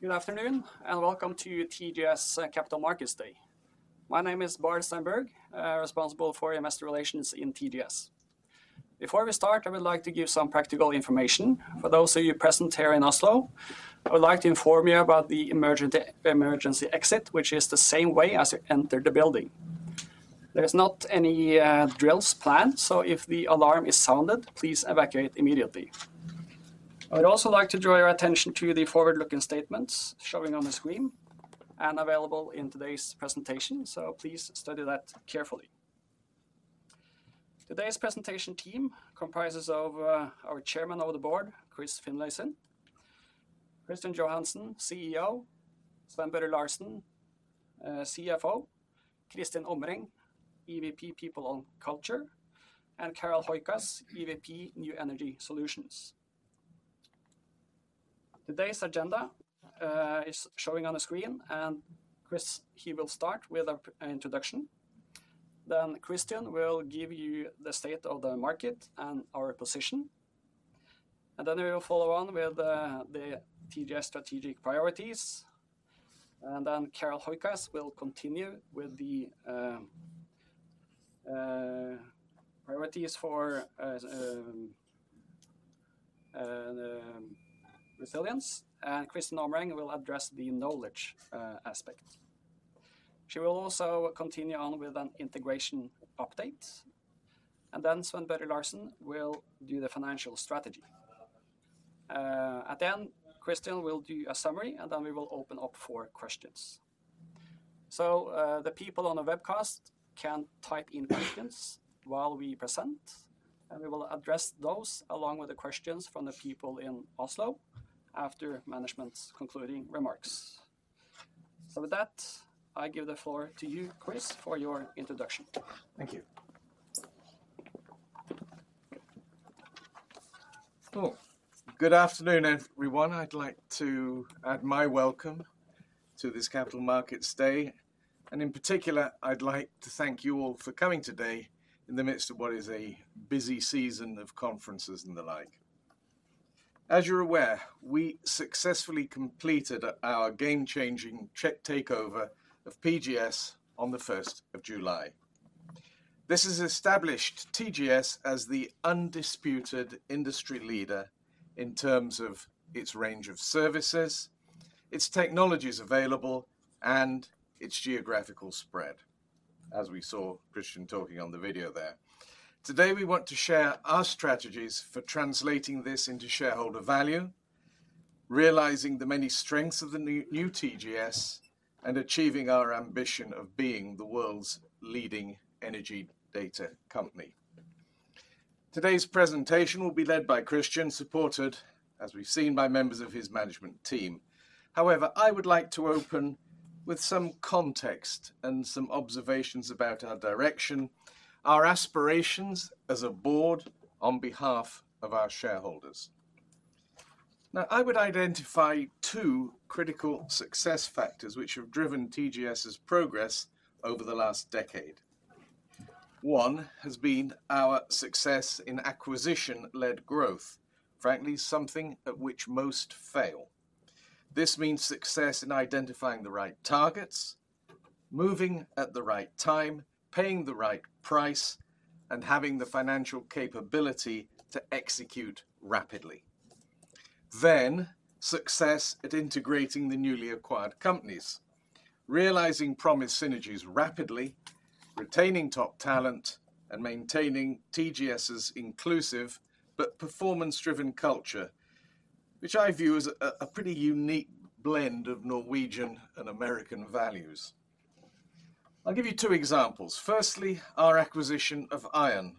Good afternoon, and welcome to TGS Capital Markets Day. My name is Bård Stenberg, responsible for Investor Relations in TGS. Before we start, I would like to give some practical information for those of you present here in Oslo. I would like to inform you about the emergency exit, which is the same way as you entered the building. There is not any drills planned, so if the alarm is sounded, please evacuate immediately. I would also like to draw your attention to the forward-looking statements showing on the screen and available in today's presentation, so please study that carefully. Today's presentation team comprises of our Chairman of the Board, Chris Finlayson; Kristian Johansen, CEO; Sven Børre Larsen, CFO; Kristin Omreng, EVP People and Culture; and Carel Hooijkaas, EVP, New Energy Solutions. Today's agenda is showing on the screen, and Chris, he will start with an introduction. Then Kristian will give you the state of the market and our position, and then we will follow on with the TGS strategic priorities. And then Carel Hooijkaas will continue with the priorities for resilience, and Kristin Omreng will address the knowledge aspect. She will also continue on with an integration update, and then Sven Børre Larsen will do the financial strategy. At the end, Kristian will do a summary, and then we will open up for questions. So, the people on the webcast can type in questions while we present, and we will address those along with the questions from the people in Oslo after management's concluding remarks. So with that, I give the floor to you, Chris, for your introduction. Thank you. Oh, good afternoon, everyone. I'd like to add my welcome to this Capital Markets Day, and in particular, I'd like to thank you all for coming today in the midst of what is a busy season of conferences and the like. As you're aware, we successfully completed our game-changing acquisition of PGS on the 1st of July. This has established TGS as the undisputed industry leader in terms of its range of services, its technologies available, and its geographical spread, as we saw Kristian talking on the video there. Today, we want to share our strategies for translating this into shareholder value, realizing the many strengths of the new, new TGS, and achieving our ambition of being the world's leading energy data company. Today's presentation will be led by Kristian, supported, as we've seen, by members of his management team. However, I would like to open with some context and some observations about our direction, our aspirations as a board on behalf of our shareholders. Now, I would identify two critical success factors which have driven TGS's progress over the last decade. One has been our success in acquisition-led growth, frankly, something at which most fail. This means success in identifying the right targets, moving at the right time, paying the right price, and having the financial capability to execute rapidly. Then, success at integrating the newly acquired companies, realizing promised synergies rapidly, retaining top talent, and maintaining TGS's inclusive but performance-driven culture, which I view as a pretty unique blend of Norwegian and American values. I'll give you two examples. Firstly, our acquisition of ION,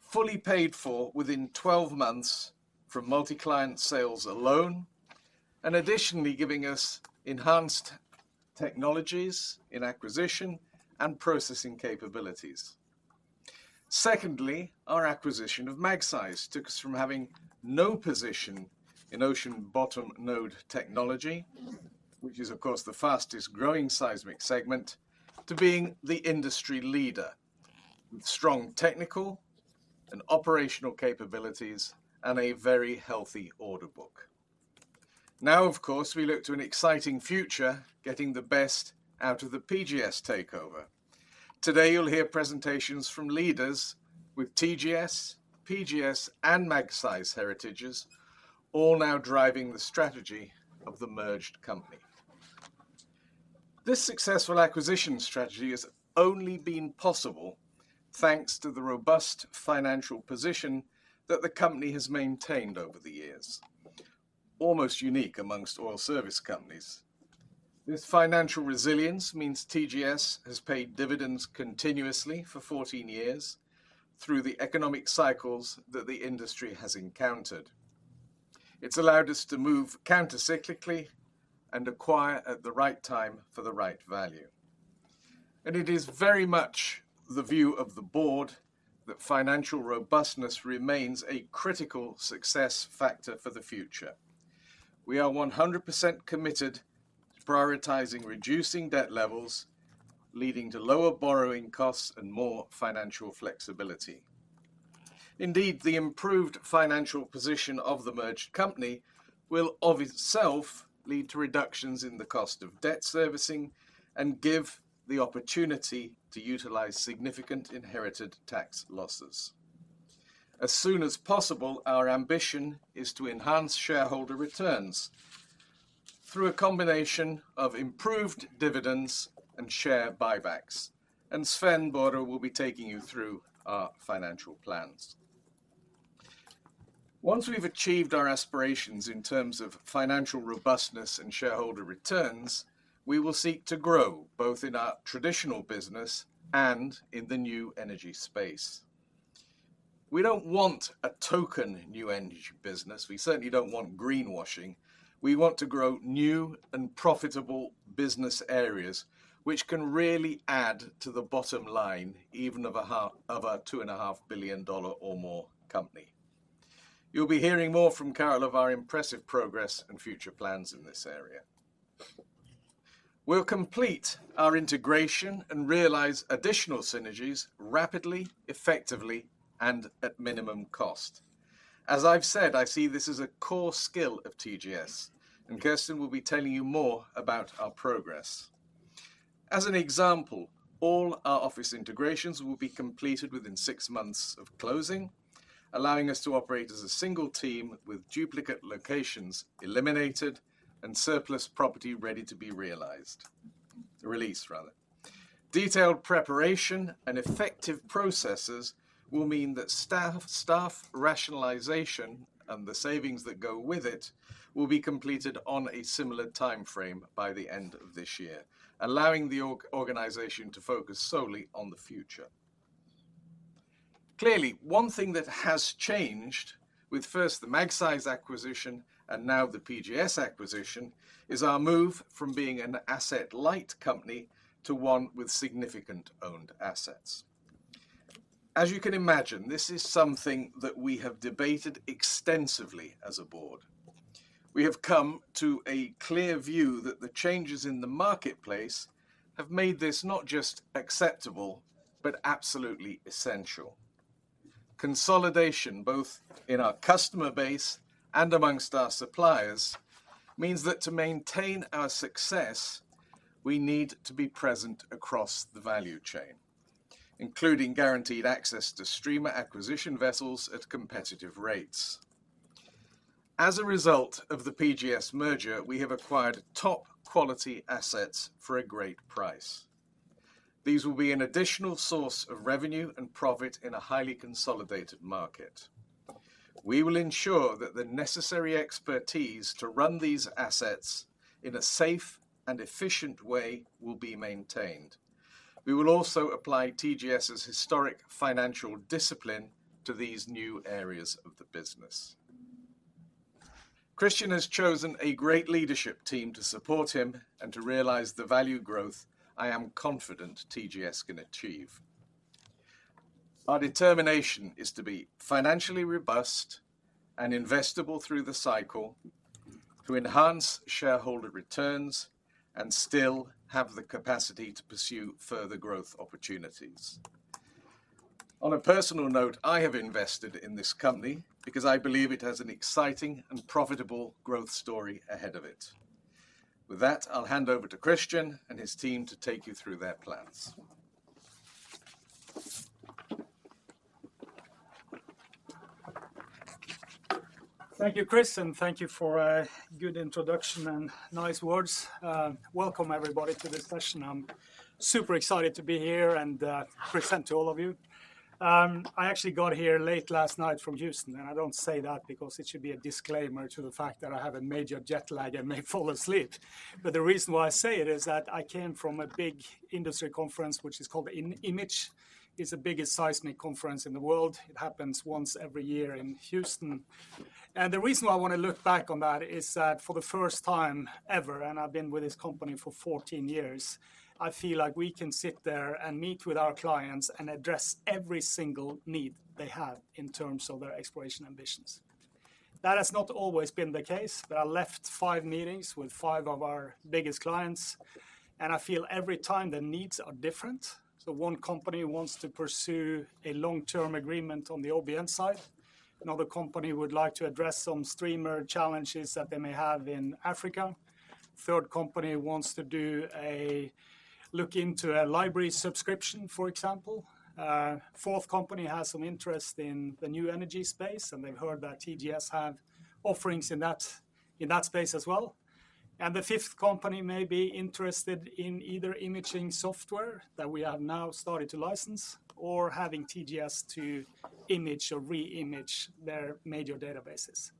fully paid for within twelve months from Multi-Client sales alone, and additionally giving us enhanced technologies in acquisition and processing capabilities. Secondly, our acquisition of Magseis took us from having no position in ocean-bottom node technology, which is of course, the fastest growing seismic segment, to being the industry leader with strong technical and operational capabilities and a very healthy order book. Now, of course, we look to an exciting future, getting the best out of the PGS takeover. Today, you'll hear presentations from leaders with TGS, PGS, and Magseis heritages, all now driving the strategy of the merged company. This successful acquisition strategy has only been possible thanks to the robust financial position that the company has maintained over the years, almost unique amongst oil service companies. This financial resilience means TGS has paid dividends continuously for fourteen years through the economic cycles that the industry has encountered. It's allowed us to move countercyclically and acquire at the right time for the right value. It is very much the view of the board that financial robustness remains a critical success factor for the future. We are 100% committed to prioritizing reducing debt levels, leading to lower borrowing costs and more financial flexibility. Indeed, the improved financial position of the merged company will, of itself, lead to reductions in the cost of debt servicing and give the opportunity to utilize significant inherited tax losses. As soon as possible, our ambition is to enhance shareholder returns through a combination of improved dividends and share buybacks, and Sven Børre will be taking you through our financial plans. Once we've achieved our aspirations in terms of financial robustness and shareholder returns, we will seek to grow, both in our traditional business and in the New Energy space. We don't want a token New Energy business. We certainly don't want greenwashing. We want to grow new and profitable business areas, which can really add to the bottom line, even of a two and a half billion dollar or more company. You'll be hearing more from Carel of our impressive progress and future plans in this area. We'll complete our integration and realize additional synergies rapidly, effectively, and at minimum cost. As I've said, I see this as a core skill of TGS, and Kristin will be telling you more about our progress. As an example, all our office integrations will be completed within six months of closing, allowing us to operate as a single team with duplicate locations eliminated and surplus property ready to be realized, released rather. Detailed preparation and effective processes will mean that staff, staff rationalization and the savings that go with it, will be completed on a similar timeframe by the end of this year, allowing the organization to focus solely on the future. Clearly, one thing that has changed with first the Magseis acquisition and now the PGS acquisition, is our move from being an asset-light company to one with significant owned assets. As you can imagine, this is something that we have debated extensively as a board. We have come to a clear view that the changes in the marketplace have made this not just acceptable, but absolutely essential. Consolidation, both in our customer base and amongst our suppliers, means that to maintain our success, we need to be present across the value chain, including guaranteed access to streamer acquisition vessels at competitive rates. As a result of the PGS merger, we have acquired top-quality assets for a great price. These will be an additional source of revenue and profit in a highly consolidated market. We will ensure that the necessary expertise to run these assets in a safe and efficient way will be maintained. We will also apply TGS's historic financial discipline to these new areas of the business. Kristian has chosen a great leadership team to support him and to realize the value growth I am confident TGS can achieve. Our determination is to be financially robust and investable through the cycle, to enhance shareholder returns, and still have the capacity to pursue further growth opportunities. On a personal note, I have invested in this company because I believe it has an exciting and profitable growth story ahead of it. With that, I'll hand over to Kristian and his team to take you through their plans. Thank you, Chris, and thank you for a good introduction and nice words. Welcome, everybody, to this session. I'm super excited to be here and present to all of you. I actually got here late last night from Houston, and I don't say that because it should be a disclaimer to the fact that I have a major jet lag and may fall asleep. But the reason why I say it is that I came from a big industry conference, which is called IMAGE. It's the biggest seismic conference in the world. It happens once every year in Houston. The reason why I want to look back on that is that for the first time ever, and I've been with this company for 14 years, I feel like we can sit there and meet with our clients and address every single need they have in terms of their exploration ambitions. That has not always been the case, but I left five meetings with five of our biggest clients, and I feel every time the needs are different. One company wants to pursue a long-term agreement on the OBN side. Another company would like to address some streamer challenges that they may have in Africa. Third company wants to do a look into a library subscription, for example. Fourth company has some interest in the New Energy space, and they've heard that TGS have offerings in that, in that space as well. And the fifth company may be interested in either imaging software, that we have now started to license, or having TGS to IMAGE or re-image their major databases.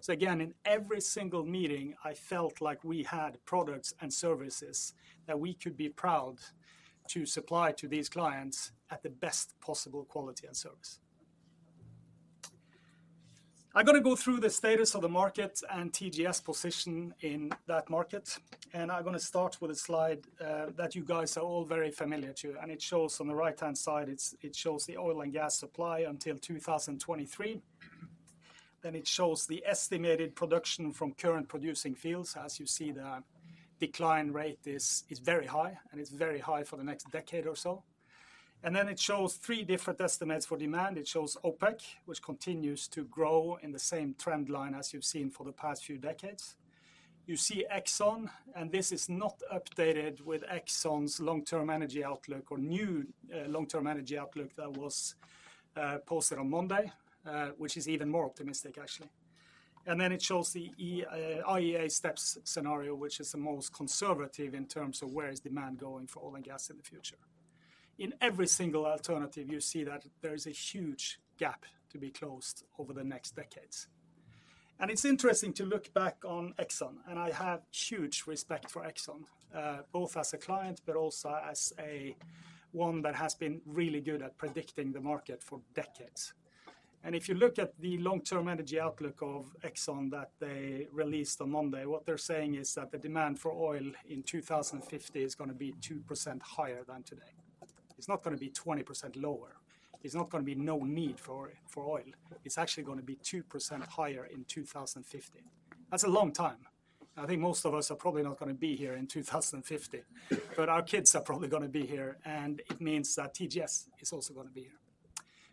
So again, in every single meeting, I felt like we had products and services that we could be proud to supply to these clients at the best possible quality and service. I'm gonna go through the status of the market and TGS position in that market, and I'm gonna start with a slide that you guys are all very familiar to, and it shows on the right-hand side. It shows the oil and gas supply until 2023. Then it shows the estimated production from current producing fields. As you see, the decline rate is very high, and it's very high for the next decade or so. And then it shows three different estimates for demand. It shows OPEC, which continues to grow in the same trend line as you've seen for the past few decades. You see Exxon, and this is not updated with Exxon's long-term energy outlook or new, long-term energy outlook that was, posted on Monday, which is even more optimistic, actually. And then it shows the IEA STEPS scenario, which is the most conservative in terms of where is demand going for oil and gas in the future. In every single alternative, you see that there is a huge gap to be closed over the next decades. And it's interesting to look back on Exxon, and I have huge respect for Exxon, both as a client but also as a one that has been really good at predicting the market for decades. If you look at the long-term energy outlook of Exxon that they released on Monday, what they're saying is that the demand for oil in 2050 is gonna be 2% higher than today. It's not gonna be 20% lower. It's not gonna be no need for oil. It's actually gonna be 2% higher in 2050. That's a long time, and I think most of us are probably not gonna be here in 2050, but our kids are probably gonna be here, and it means that TGS is also gonna be here.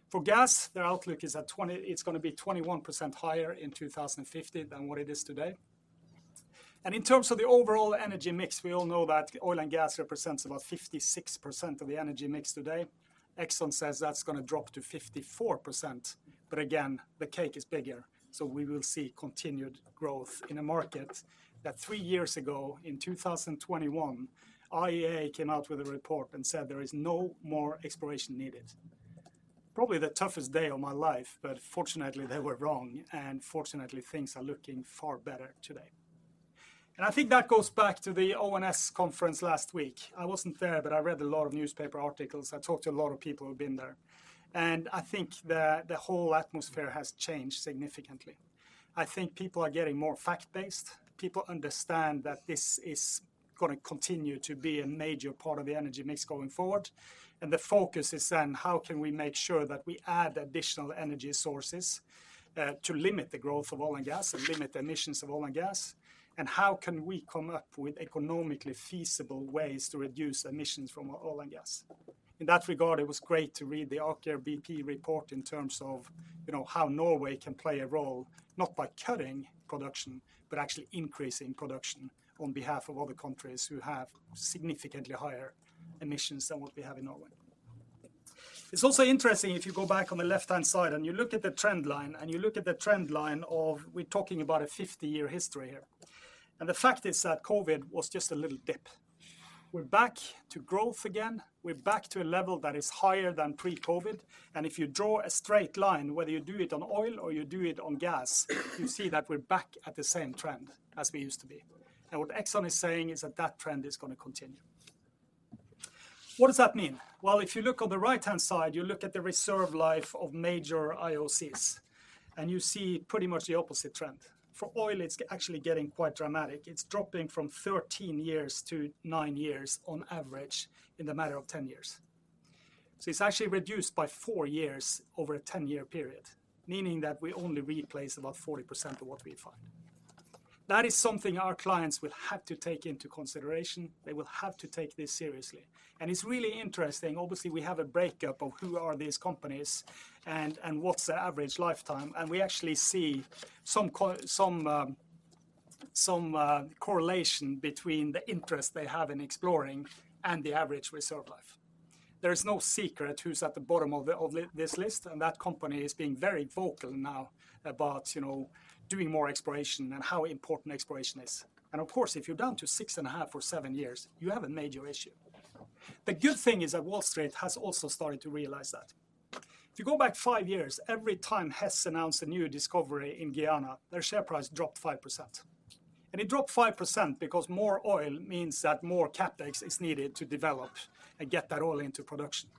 For gas, their outlook is 20, it's gonna be 21% higher in 2050 than what it is today. In terms of the overall energy mix, we all know that oil and gas represents about 56% of the energy mix today. Exxon says that's gonna drop to 54%, but again, the cake is bigger, so we will see continued growth in a market that three years ago, in 2021, IEA came out with a report and said there is no more exploration needed. Probably the toughest day of my life, but fortunately, they were wrong, and fortunately, things are looking far better today. I think that goes back to the ONS conference last week. I wasn't there, but I read a lot of newspaper articles. I talked to a lot of people who've been there, and I think the whole atmosphere has changed significantly. I think people are getting more fact-based. People understand that this is gonna continue to be a major part of the energy mix going forward, and the focus is on how can we make sure that we add additional energy sources to limit the growth of oil and gas and limit emissions of oil and gas? And how can we come up with economically feasible ways to reduce emissions from oil and gas? In that regard, it was great to read the Aker BP report in terms of, you know, how Norway can play a role, not by cutting production, but actually increasing production on behalf of other countries who have significantly higher emissions than what we have in Norway. It's also interesting if you go back on the left-hand side and you look at the trend line of... We're talking about a 50-year history here, and the fact is that COVID was just a little dip. We're back to growth again. We're back to a level that is higher than pre-COVID, and if you draw a straight line, whether you do it on oil or you do it on gas, you see that we're back at the same trend as we used to be, and what Exxon is saying is that that trend is gonna continue. What does that mean? Well, if you look on the right-hand side, you look at the reserve life of major IOCs, and you see pretty much the opposite trend. For oil, it's actually getting quite dramatic. It's dropping from thirteen years to nine years on average, in the matter of ten years. It's actually reduced by four years over a 10-year period, meaning that we only replace about 40% of what we find. That is something our clients will have to take into consideration. They will have to take this seriously, and it's really interesting. Obviously, we have a breakdown of who are these companies and what's their average lifetime, and we actually see some correlation between the interest they have in exploring and the average reserve life. There is no secret who's at the bottom of this list, and that company is being very vocal now about, you know, doing more exploration and how important exploration is. And of course, if you're down to six and a half or seven years, you have a major issue. The good thing is that Wall Street has also started to realize that. If you go back five years, every time Hess announced a new discovery in Guyana, their share price dropped 5%, and it dropped 5% because more oil means that more CapEx is needed to develop and get that oil into production.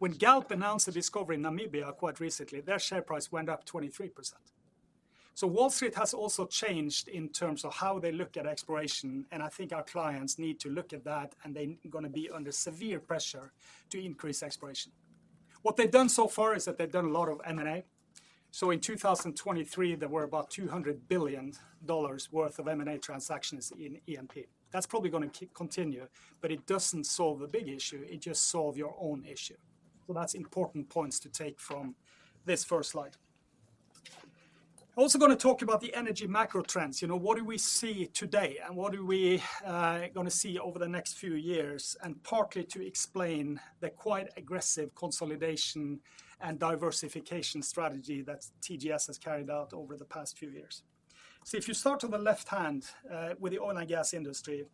When Galp announced a discovery in Namibia quite recently, their share price went up 23%. So Wall Street has also changed in terms of how they look at exploration, and I think our clients need to look at that, and they gonna be under severe pressure to increase exploration. What they've done so far is that they've done a lot of M&A. So in 2023, there were about $200 billion worth of M&A transactions in E&P. That's probably gonna keep continue, but it doesn't solve a big issue, it just solve your own issue. So that's important points to take from this first slide. I'm also gonna talk about the energy macro trends. You know, what do we see today, and what do we gonna see over the next few years? And partly to explain the quite aggressive consolidation and diversification strategy that TGS has carried out over the past few years. So if you start on the left hand with the oil and gas industry,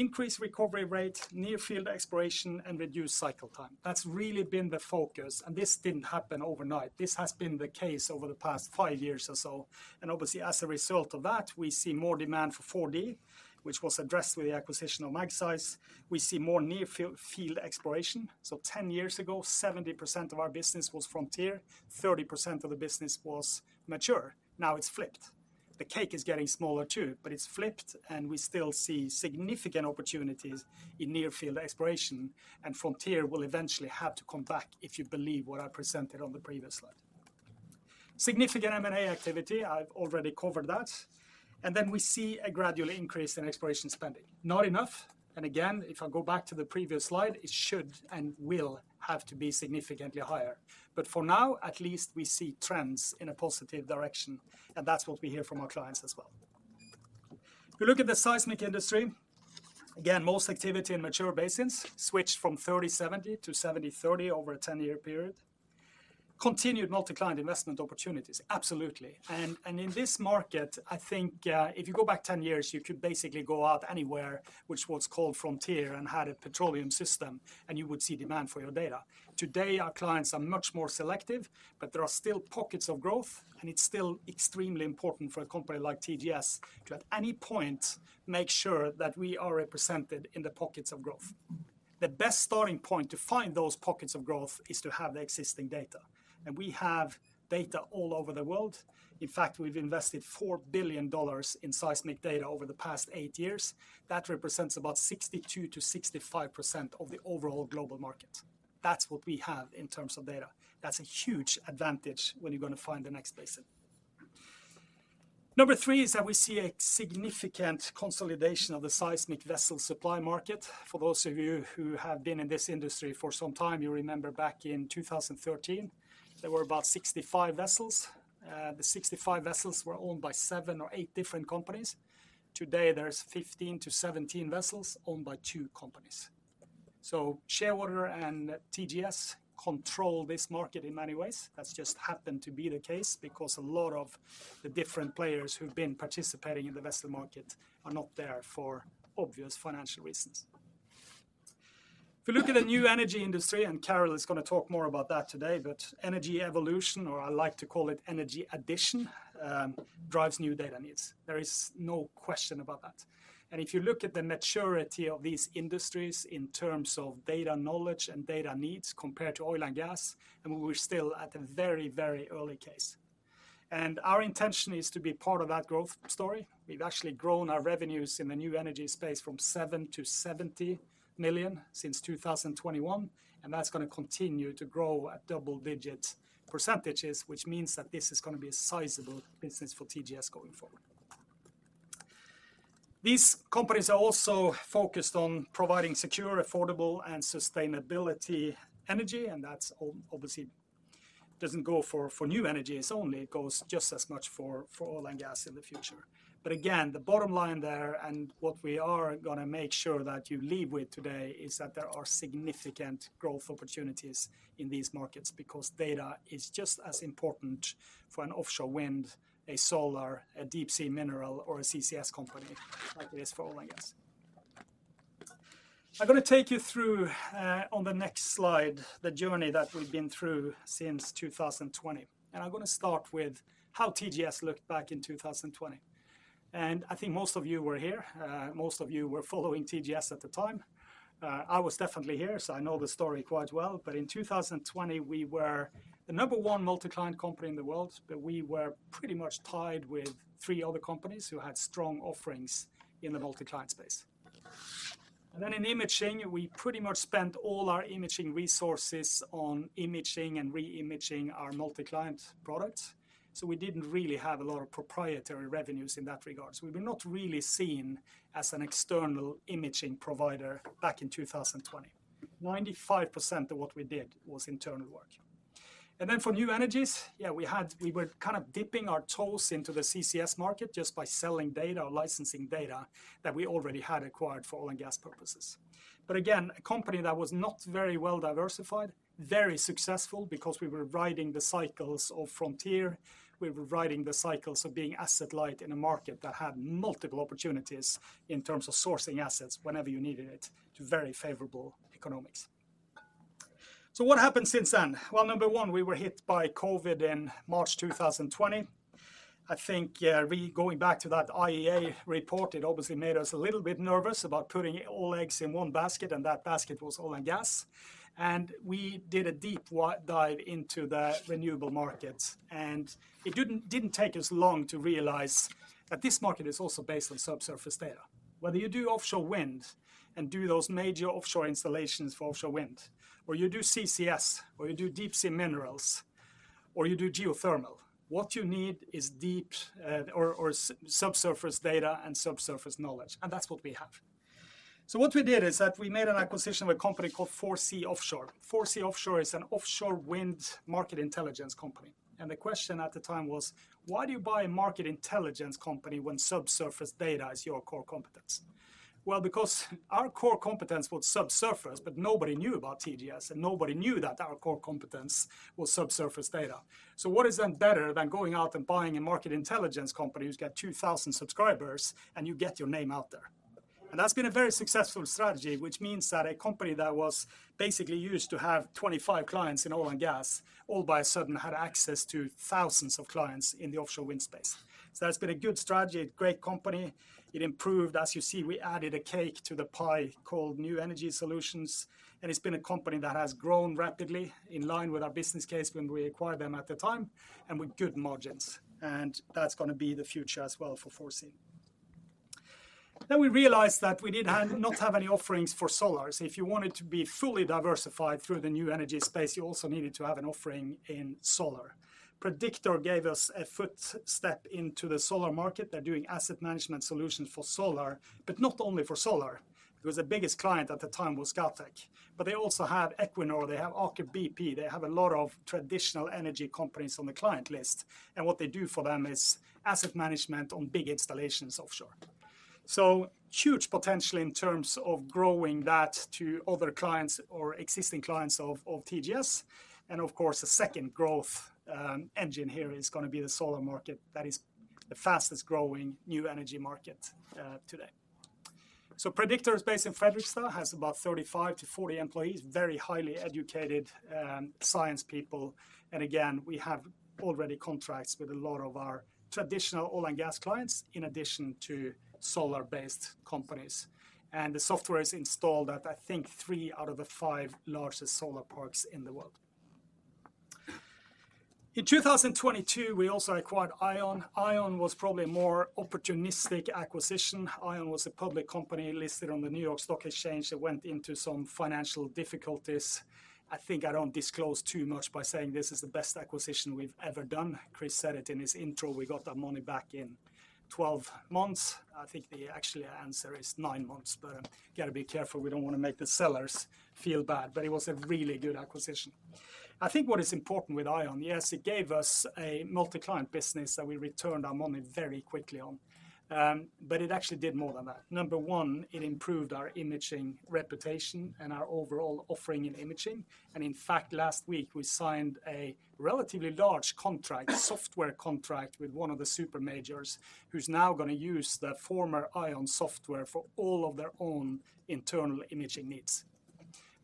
increased recovery rate, near field exploration, and reduced cycle time, that's really been the focus, and this didn't happen overnight. This has been the case over the past five years or so, and obviously, as a result of that, we see more demand for 4D, which was addressed with the acquisition of Magseis. We see more near field exploration. So 10 years ago, 70% of our business was frontier, 30% of the business was mature. Now, it's flipped. The cake is getting smaller too, but it's flipped, and we still see significant opportunities in near-field exploration, and frontier will eventually have to come back if you believe what I presented on the previous slide. Significant M&A activity, I've already covered that, and then we see a gradual increase in exploration spending. Not enough, and again, if I go back to the previous slide, it should and will have to be significantly higher. But for now, at least we see trends in a positive direction, and that's what we hear from our clients as well. If you look at the seismic industry, again, most activity in mature basins switched from 30/70 to 70/30 over a 10-year period. Continued Multi-Client investment opportunities, absolutely. In this market, I think, if you go back 10 years, you could basically go out anywhere, which was called frontier and had a petroleum system, and you would see demand for your data. Today, our clients are much more selective, but there are still pockets of growth, and it's still extremely important for a company like TGS to, at any point, make sure that we are represented in the pockets of growth. The best starting point to find those pockets of growth is to have the existing data, and we have data all over the world. In fact, we've invested $4 billion in seismic data over the past eight years. That represents about 62%-65% of the overall global market. That's what we have in terms of data. That's a huge advantage when you're gonna find the next basin. Number three is that we see a significant consolidation of the seismic vessel supply market. For those of you who have been in this industry for some time, you remember back in 2013, there were about 65 vessels. The 65 vessels were owned by seven or eight different companies. Today, there's 15-17 vessels owned by two companies. So Shearwater and TGS control this market in many ways. That's just happened to be the case because a lot of the different players who've been participating in the vessel market are not there for obvious financial reasons. If you look at the New Energy industry, and Carel is gonna talk more about that today, but energy evolution, or I like to call it energy addition, drives new data needs. There is no question about that. If you look at the maturity of these industries in terms of data knowledge and data needs compared to oil and gas, and we're still at a very, very early case. Our intention is to be part of that growth story. We've actually grown our revenues in the New Energy space from $7 million-$70 million since 2021, and that's gonna continue to grow at double-digit percentages, which means that this is gonna be a sizable business for TGS going forward. These companies are also focused on providing secure, affordable, and sustainable energy, and that's obviously doesn't go for new energies only, it goes just as much for oil and gas in the future. But again, the bottom line there, and what we are gonna make sure that you leave with today, is that there are significant growth opportunities in these markets because data is just as important for an offshore wind, a solar, a deep sea mineral, or a CCS company, like it is for oil and gas. I'm gonna take you through, on the next slide, the journey that we've been through since 2020. And I'm gonna start with how TGS looked back in 2020. And I think most of you were here, most of you were following TGS at the time. I was definitely here, so I know the story quite well. But in 2020, we were the number one Multi-Client company in the world, but we were pretty much tied with three other companies who had strong offerings in the Multi-Client space. And then in imaging, we pretty much spent all our imaging resources on imaging and re-imaging our Multi-Client products. So we didn't really have a lot of proprietary revenues in that regard. So we were not really seen as an external imaging provider back in 2020. 95% of what we did was internal work. And then for new energies, yeah, we were kind of dipping our toes into the CCS market just by selling data or licensing data that we already had acquired for oil and gas purposes. But again, a company that was not very well diversified, very successful because we were riding the cycles of frontier, we were riding the cycles of being asset light in a market that had multiple opportunities in terms of sourcing assets whenever you needed it, to very favorable economics. So what happened since then? Number one, we were hit by COVID in March 2020. I think, going back to that IEA report, it obviously made us a little bit nervous about putting all eggs in one basket, and that basket was oil and gas, and we did a deep dive into the renewable markets. It didn't take us long to realize that this market is also based on subsurface data. Whether you do offshore wind and do those major offshore installations for offshore wind, or you do CCS, or you do deep sea minerals, or you do geothermal, what you need is deep subsurface data and subsurface knowledge, and that's what we have. What we did is that we made an acquisition of a company called 4C Offshore. 4C Offshore is an offshore wind market intelligence company, and the question at the time was: Why do you buy a market intelligence company when subsurface data is your core competence? Well, because our core competence was subsurface, but nobody knew about TGS, and nobody knew that our core competence was subsurface data. So what is then better than going out and buying a market intelligence company who's got two thousand subscribers, and you get your name out there? And that's been a very successful strategy, which means that a company that was basically used to have 25 clients in oil and gas, all of a sudden had access to thousands of clients in the offshore wind space. So that's been a good strategy, a great company. It improved. As you see, we added a cake to the pie New Energy Solutions, and it's been a company that has grown rapidly in line with our business case when we acquired them at the time, and with good margins, and that's gonna be the future as well for 4C. Then we realized that we did have, not have any offerings for solar. So if you wanted to be fully diversified through the New Energy space, you also needed to have an offering in solar. Prediktor gave us a foothold into the solar market. They're doing asset management solutions for solar, but not only for solar, because the biggest client at the time was Scatec. But they also have Equinor, they have Aker BP, they have a lot of traditional energy companies on the client list, and what they do for them is asset management on big installations offshore. Huge potential in terms of growing that to other clients or existing clients of, of TGS. And of course, the second growth engine here is gonna be the solar market. That is the fastest growing New Energy market today. Prediktor is based in Fredrikstad, has about 35-40 employees, very highly educated science people. And again, we have already contracts with a lot of our traditional oil and gas clients, in addition to solar-based companies. And the software is installed at, I think, 3 out of the 5 largest solar parks in the world. In 2022, we also acquired ION. ION was probably a more opportunistic acquisition. ION was a public company listed on the New York Stock Exchange that went into some financial difficulties. I think I don't disclose too much by saying this is the best acquisition we've ever done. Chris said it in his intro, we got our money back in 12 months. I think the actual answer is nine months, but, gotta be careful, we don't wanna make the sellers feel bad, but it was a really good acquisition. I think what is important with ION, yes, it gave us a Multi-Client business that we returned our money very quickly on. But it actually did more than that. Number one, it improved our imaging reputation and our overall offering in imaging, and in fact, last week, we signed a relatively large contract, software contract with one of the super majors, who's now gonna use the former ION software for all of their own internal imaging needs.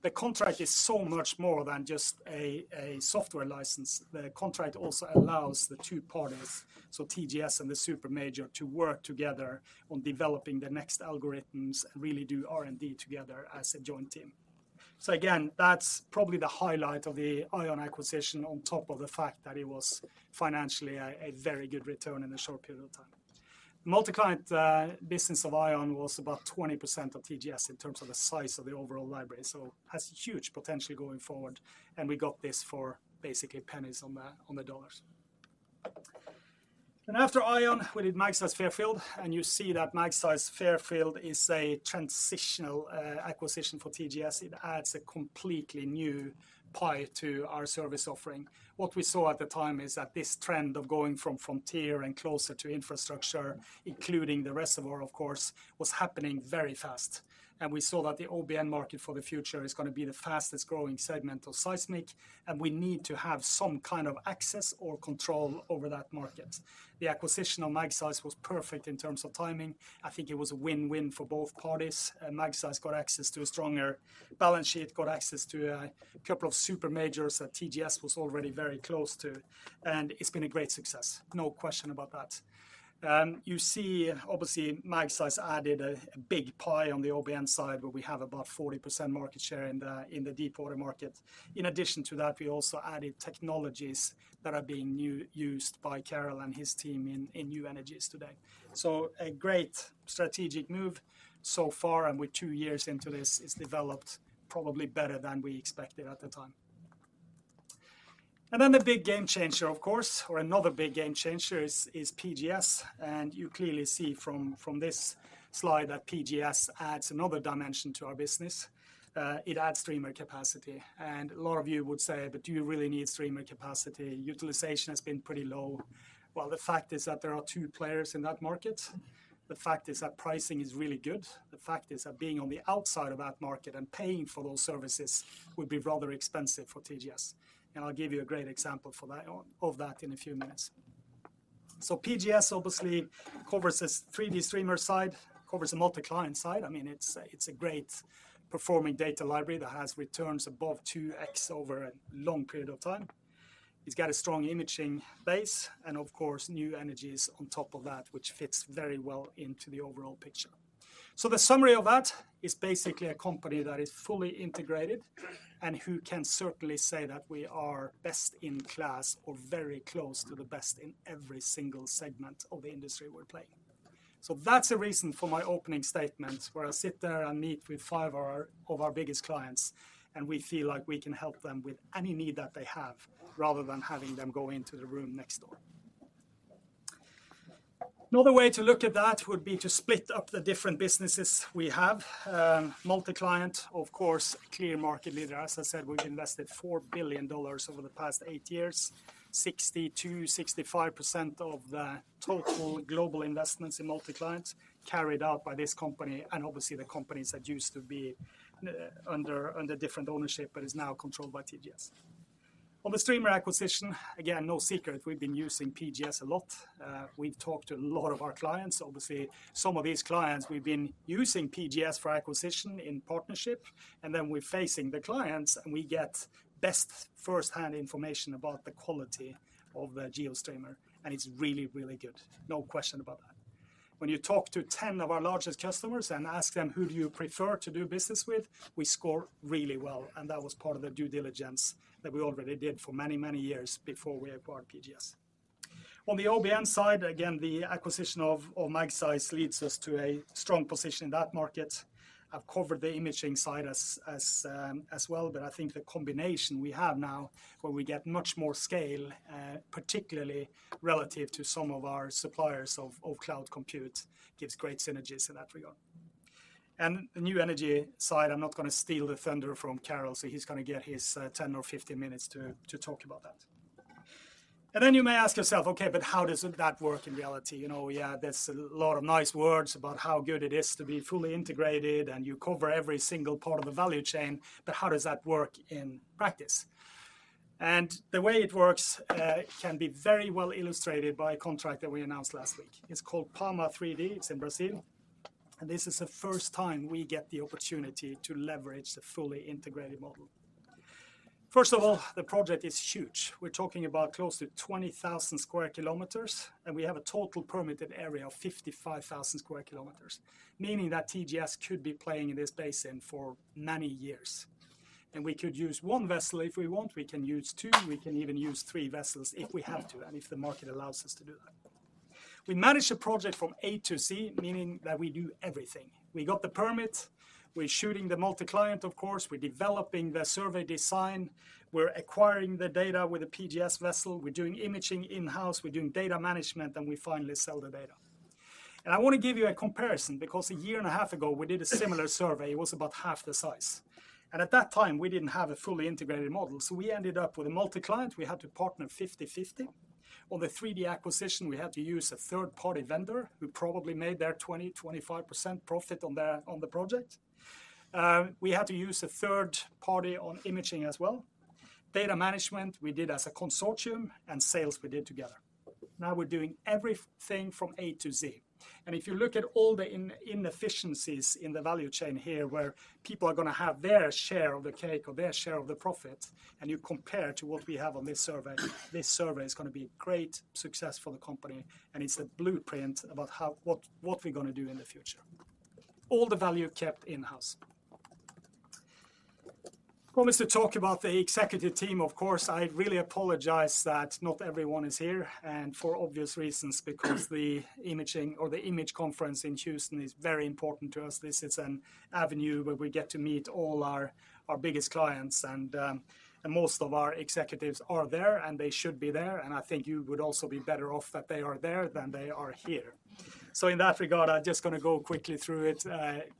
The contract is so much more than just a, a software license. The contract also allows the two parties, so TGS and the super major, to work together on developing the next algorithms and really do R&D together as a joint team. So again, that's probably the highlight of the ION acquisition, on top of the fact that it was financially a very good return in a short period of time. Multi-Client business of ION was about 20% of TGS in terms of the size of the overall library, so has huge potential going forward, and we got this for basically pennies on the dollars. Then after ION, we did Magseis Fairfield, and you see that Magseis Fairfield is a transitional acquisition for TGS. It adds a completely new pie to our service offering. What we saw at the time is that this trend of going from frontier and closer to infrastructure, including the reservoir, of course, was happening very fast, and we saw that the OBN market for the future is gonna be the fastest growing segment of seismic, and we need to have some kind of access or control over that market. The acquisition of Magseis was perfect in terms of timing. I think it was a win-win for both parties. Magseis got access to a stronger balance sheet, got access to a couple of super majors that TGS was already very close to, and it's been a great success, no question about that. You see, obviously, Magseis added a big pie on the OBN side, where we have about 40% market share in the deepwater market. In addition to that, we also added technologies that are being newly used by Carel and his team in new energies today, so a great strategic move so far, and we're two years into this. It's developed probably better than we expected at the time, and then the big game changer, of course, or another big game changer is PGS, and you clearly see from this slide that PGS adds another dimension to our business. It adds streamer capacity, and a lot of you would say, "But do you really need streamer capacity? Utilization has been pretty low," well, the fact is that there are two players in that market. The fact is that pricing is really good. The fact is that being on the outside of that market and paying for those services would be rather expensive for TGS, and I'll give you a great example of that in a few minutes. So PGS obviously covers a 3D streamer side, covers a Multi-Client side. I mean, it's a great performing data library that has returns above 2X over a long period of time. It's got a strong imaging base and of course, new energies on top of that, which fits very well into the overall picture. So the summary of that is basically a company that is fully integrated and who can certainly say that we are best in class or very close to the best in every single segment of the industry we're playing. So that's a reason for my opening statement, where I sit there and meet with five of our biggest clients, and we feel like we can help them with any need that they have, rather than having them go into the room next door. Another way to look at that would be to split up the different businesses we have. Multi-Client, of course, clear market leader. As I said, we've invested $4 billion over the past eight years, 62%-65% of the total global investments in Multi-Client carried out by this company, and obviously the companies that used to be under different ownership, but is now controlled by TGS. On the streamer acquisition, again, no secret, we've been using PGS a lot. We've talked to a lot of our clients. Obviously, some of these clients we've been using PGS for acquisition in partnership, and then we're facing the clients, and we get best first-hand information about the quality of the GeoStreamer, and it's really, really good. No question about that. When you talk to ten of our largest customers and ask them, "Who do you prefer to do business with?" We score really well, and that was part of the due diligence that we already did for many, many years before we acquired PGS. On the OBN side, again, the acquisition of Magseis leads us to a strong position in that market. I've covered the imaging side as well, but I think the combination we have now, where we get much more scale, particularly relative to some of our suppliers of cloud compute, gives great synergies in that regard. The New Energy side, I'm not gonna steal the thunder from Carel, so he's gonna get his ten or fifteen minutes to talk about that. Then you may ask yourself: Okay, but how does that work in reality? You know, yeah, there's a lot of nice words about how good it is to be fully integrated, and you cover every single part of the value chain, but how does that work in practice? The way it works can be very well illustrated by a contract that we announced last week. It's called PAMA 3D. It's in Brazil, and this is the first time we get the opportunity to leverage the fully integrated model. First of all, the project is huge. We're talking about close to 20,000 sq km, and we have a total permitted area of 55,000 sq km, meaning that TGS could be playing in this basin for many years. We could use one vessel if we want, we can use two, we can even use three vessels if we have to, and if the market allows us to do that. We manage the project from A to Z, meaning that we do everything. We got the permit, we're shooting the Multi-Client, of course, we're developing the survey design, we're acquiring the data with a PGS vessel, we're doing imaging in-house, we're doing data management, and we finally sell the data. I wanna give you a comparison because a year and a half ago, we did a similar survey. It was about half the size, and at that time, we didn't have a fully integrated model, so we ended up with a Multi-Client. We had to partner 50/50. On the 3D acquisition, we had to use a third-party vendor, who probably made their 20%-25% profit on the project. We had to use a third party on imaging as well. Data management, we did as a consortium, and sales we did together. Now, we're doing everything from A to Z. And if you look at all the inefficiencies in the value chain here, where people are gonna have their share of the cake or their share of the profit, and you compare to what we have on this survey, this survey is gonna be a great success for the company, and it's a blueprint about how... what we're gonna do in the future. All the value kept in-house. Promised to talk about the Executive team. Of course, I really apologize that not everyone is here, and for obvious reasons, because the imaging or the image conference in Houston is very important to us. This is an avenue where we get to meet all our biggest clients and most of our Executives are there, and they should be there, and I think you would also be better off that they are there than they are here. So in that regard, I'm just gonna go quickly through it.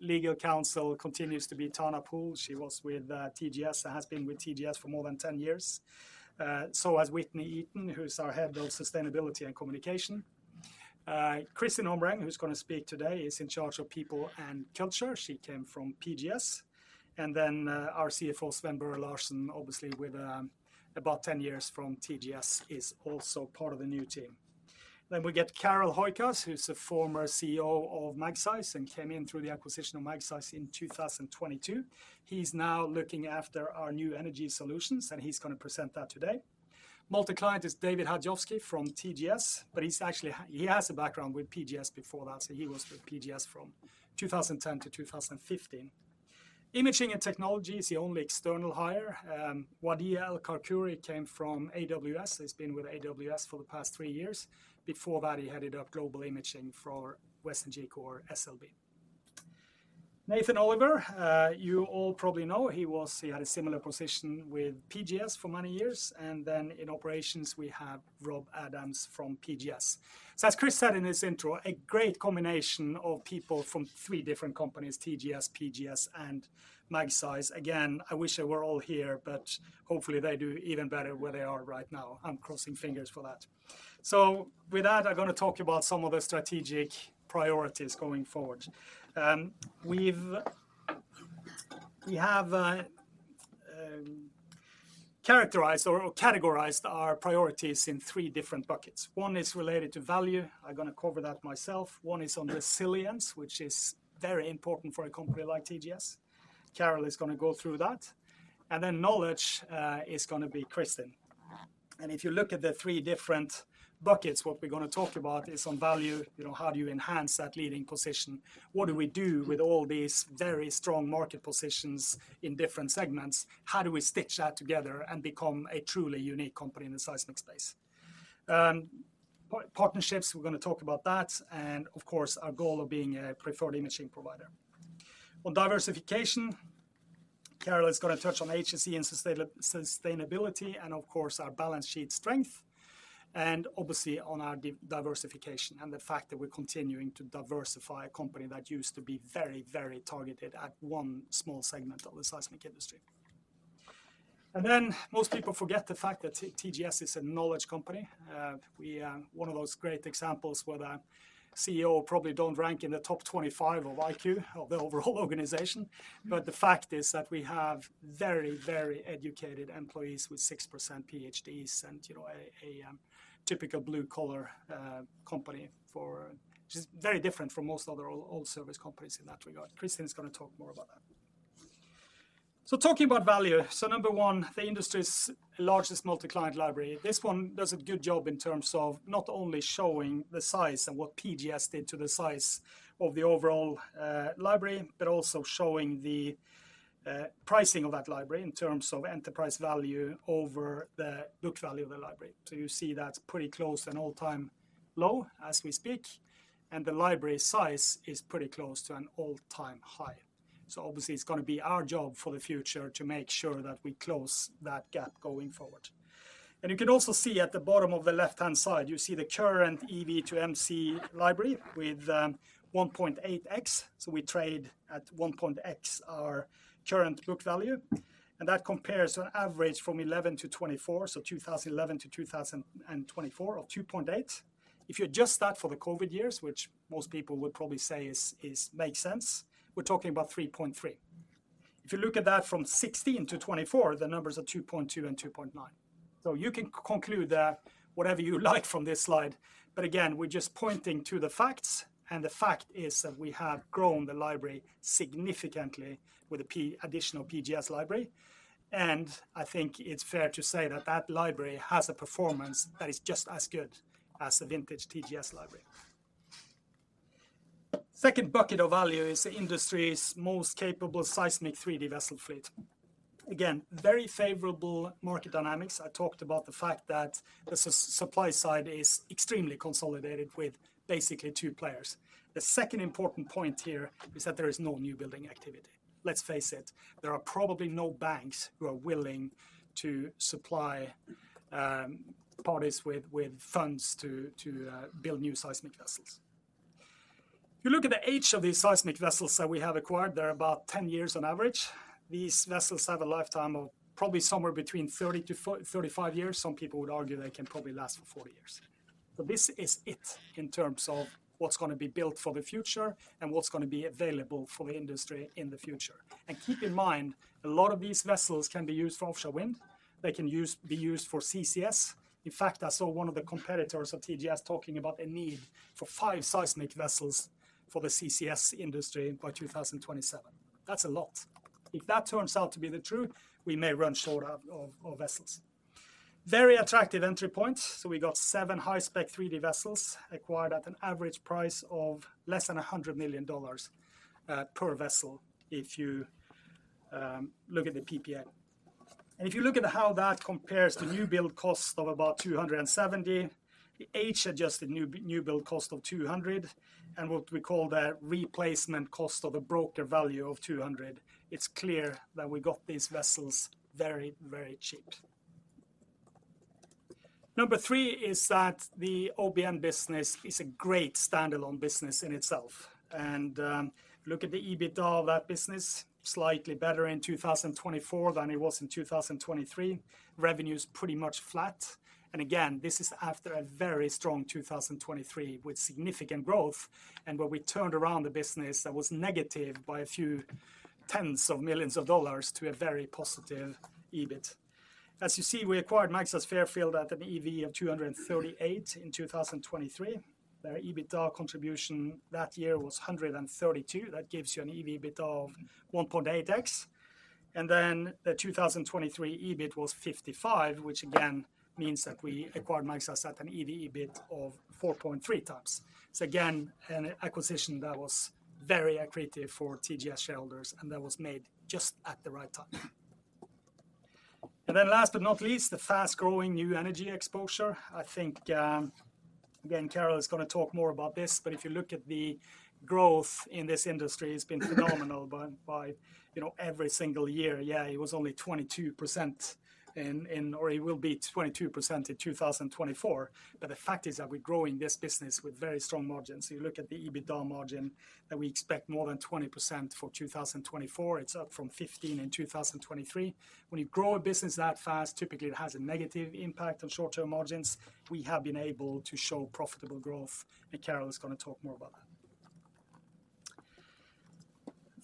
Legal counsel continues to be Tana Pool. She was with TGS and has been with TGS for more than 10 years. So has Whitney Eaton, who's our head of sustainability and communication. Kristin Omreng, who's gonna speak today, is in charge of People and Culture. She came from PGS. And then, our CFO, Sven Børre Larsen, obviously, with about 10 years from TGS, is also part of the new team. Then we get Carel Hooijkaas, who's a former CEO of Magseis and came in through the acquisition of Magseis in 2022. He's now looking after New Energy Solutions, and he's gonna present that today. Multi-Client is David Hajovsky from TGS, but he's actually he has a background with PGS before that. So he was with PGS from 2010 to 2015. Imaging and technology is the only external hire. Wadii El Karkouri came from AWS. He's been with AWS for the past three years. Before that, he headed up global imaging for WesternGeco or SLB. Nathan Oliver, you all probably know, he had a similar position with PGS for many years, and then in operations, we have Rob Adams from PGS. So as Chris said in his intro, a great combination of people from three different companies, TGS, PGS, and Magseis. Again, I wish they were all here, but hopefully, they do even better where they are right now. I'm crossing fingers for that. So with that, I'm gonna talk about some of the strategic priorities going forward. We have characterized or categorized our priorities in three different buckets. One is related to value. I'm gonna cover that myself. One is on resilience, which is very important for a company like TGS. Carel is gonna go through that. And then knowledge is gonna be Kristin. And if you look at the three different buckets, what we're gonna talk about is on value, you know, how do you enhance that leading position? What do we do with all these very strong market positions in different segments? How do we stitch that together and become a truly unique company in the seismic space? Partnerships, we're gonna talk about that, and of course, our goal of being a preferred imaging provider. On diversification, Carel is gonna touch on HSE and sustainability, and of course, our balance sheet strength, and obviously, on our diversification and the fact that we're continuing to diversify a company that used to be very, very targeted at one small segment of the seismic industry, and then most people forget the fact that TGS is a knowledge company. One of those great examples where the CEO probably don't rank in the top 25 of IQ of the overall organization, but the fact is that we have very, very educated employees with 6% PhDs, and, you know, a typical blue-collar company for. Which is very different from most other old service companies in that regard. Kristin is gonna talk more about that. So talking about value, so number one, the industry's largest Multi-Client library. This one does a good job in terms of not only showing the size and what PGS did to the size of the overall library, but also showing the pricing of that library in terms of enterprise value over the book value of the library. So you see that's pretty close to an all-time low as we speak, and the library size is pretty close to an all-time high. So obviously it's gonna be our job for the future to make sure that we close that gap going forward. And you can also see at the bottom of the left-hand side. You see the current EV to MC library with 1.8X, so we trade at 1.X, our current book value. And that compares on average from 2011 to 2024, so 2011 to 2024 or 2.8. If you adjust that for the COVID years, which most people would probably say is makes sense, we're talking about 3.3. If you look at that from 2016 to 2024, the numbers are 2.2 and 2.9. So you can conclude that whatever you like from this slide, but again, we're just pointing to the facts, and the fact is that we have grown the library significantly with the additional PGS library. And I think it's fair to say that that library has a performance that is just as good as a vintage TGS library. Second bucket of value is the industry's most capable seismic-3D vessel fleet. Again, very favorable market dynamics. I talked about the fact that the supply side is extremely consolidated with basically two players. The second important point here is that there is no new building activity. Let's face it, there are probably no banks who are willing to supply parties with funds to build new seismic vessels. If you look at the age of these seismic vessels that we have acquired, they're about ten years on average. These vessels have a lifetime of probably somewhere between 30 to 35 years. Some people would argue they can probably last for 40 years. So this is it in terms of what's gonna be built for the future and what's gonna be available for the industry in the future. And keep in mind, a lot of these vessels can be used for offshore wind. They can be used for CCS. In fact, I saw one of the competitors of TGS talking about a need for five seismic vessels for the CCS industry by 2027. That's a lot. If that turns out to be the truth, we may run short out of vessels. Very attractive entry point. So we got seven high-spec 3D vessels acquired at an average price of less than $100 million per vessel, if you look at the PPA. If you look at how that compares to new build cost of about $270, the age-adjusted new build cost of $200, and what we call the replacement cost of a broker value of $200, it's clear that we got these vessels very, very cheap. Number three is that the OBN business is a great standalone business in itself, and look at the EBITDA of that business, slightly better in 2024 than it was in 2023. Revenue is pretty much flat. And again, this is after a very strong 2023, with significant growth, and where we turned around the business that was negative by a few tens of millions of dollars to a very positive EBIT. As you see, we acquired Magseis Fairfield at an EV of $238 in 2023. Their EBITDA contribution that year was $132. That gives you an EV/EBITDA of 1.8x. And then the 2023 EBIT was $55, which again means that we acquired Magseis at an EV/EBIT of 4.3x. So again, an acquisition that was very accretive for TGS shareholders, and that was made just at the right time. And then last but not least, the fast-growing New Energy exposure. I think, again, Carel is gonna talk more about this, but if you look at the growth in this industry, it's been phenomenal by, you know, every single year. Yeah, it was only 22% in or it will be 22% in 2024. But the fact is that we're growing this business with very strong margins. You look at the EBITDA margin, that we expect more than 20% for 2024. It's up from 15% in 2023. When you grow a business that fast, typically it has a negative impact on short-term margins. We have been able to show profitable growth, and Carel is gonna talk more about that.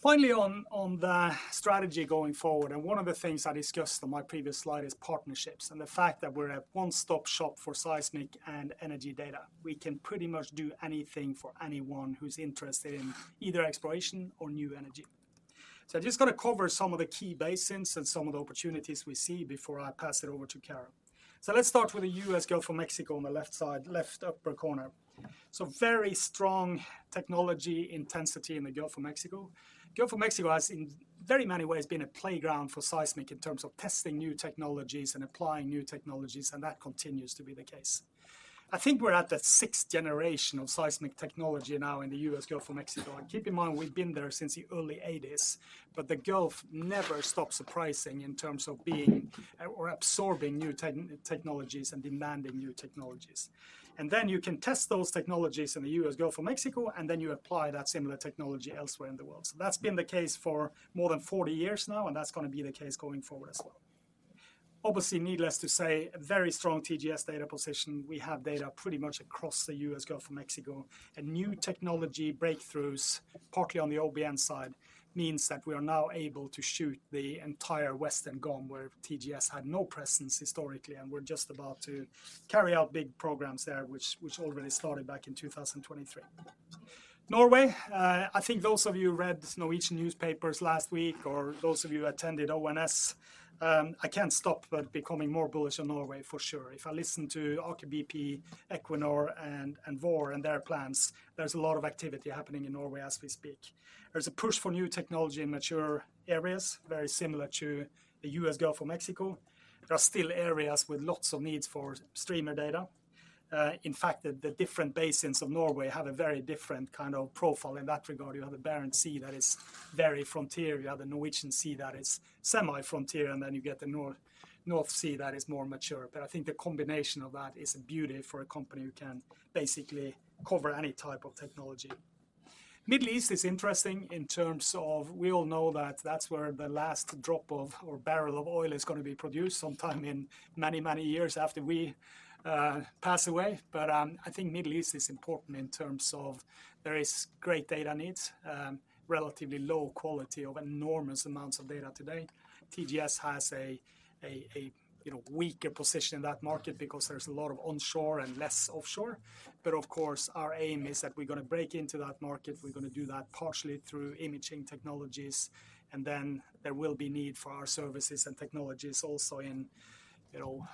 Finally, on the strategy going forward, and one of the things I discussed on my previous slide is partnerships, and the fact that we're a one-stop shop for seismic and energy data. We can pretty much do anything for anyone who's interested in either exploration or New Energy. So I'm just gonna cover some of the key basins and some of the opportunities we see before I pass it over to Carel. So let's start with the U.S. Gulf of Mexico on the left side, left upper corner. So very strong technology intensity in the Gulf of Mexico. Gulf of Mexico has, in very many ways, been a playground for seismic in terms of testing new technologies and applying new technologies, and that continues to be the case. I think we're at the sixth generation of seismic technology now in the U.S. Gulf of Mexico. And keep in mind, we've been there since the early 1980s, but the Gulf never stops surprising in terms of being or absorbing new technologies and demanding new technologies. And then you can test those technologies in the U.S. Gulf of Mexico, and then you apply that similar technology elsewhere in the world. So that's been the case for more than 40 years now, and that's gonna be the case going forward as well. Obviously, needless to say, a very strong TGS data position. We have data pretty much across the U.S. Gulf of Mexico, and new technology breakthroughs, partly on the OBN side, means that we are now able to shoot the entire western GOM, where TGS had no presence historically, and we're just about to carry out big programs there, which already started back in 2023. Norway, I think those of you who read the Norwegian newspapers last week or those of you who attended ONS, I can't stop but becoming more bullish on Norway for sure. If I listen to Aker BP, Equinor, and Vår and their plans, there's a lot of activity happening in Norway as we speak. There's a push for new technology in mature areas, very similar to the U.S. Gulf of Mexico. There are still areas with lots of needs for streamer data. In fact, the different basins of Norway have a very different kind of profile in that regard. You have the Barents Sea that is very frontier, you have the Norwegian Sea that is semi-frontier, and then you get the North Sea that is more mature. But I think the combination of that is a beauty for a company who can basically cover any type of technology. Middle East is interesting in terms of we all know that that's where the last drop of, or barrel of oil is gonna be produced sometime in many, many years after we pass away. But I think Middle East is important in terms of there is great data needs, relatively low quality of enormous amounts of data today. TGS has a you know weaker position in that market because there's a lot of onshore and less offshore. But of course, our aim is that we're gonna break into that market. We're gonna do that partially through imaging technologies, and then there will be need for our services and technologies also in you know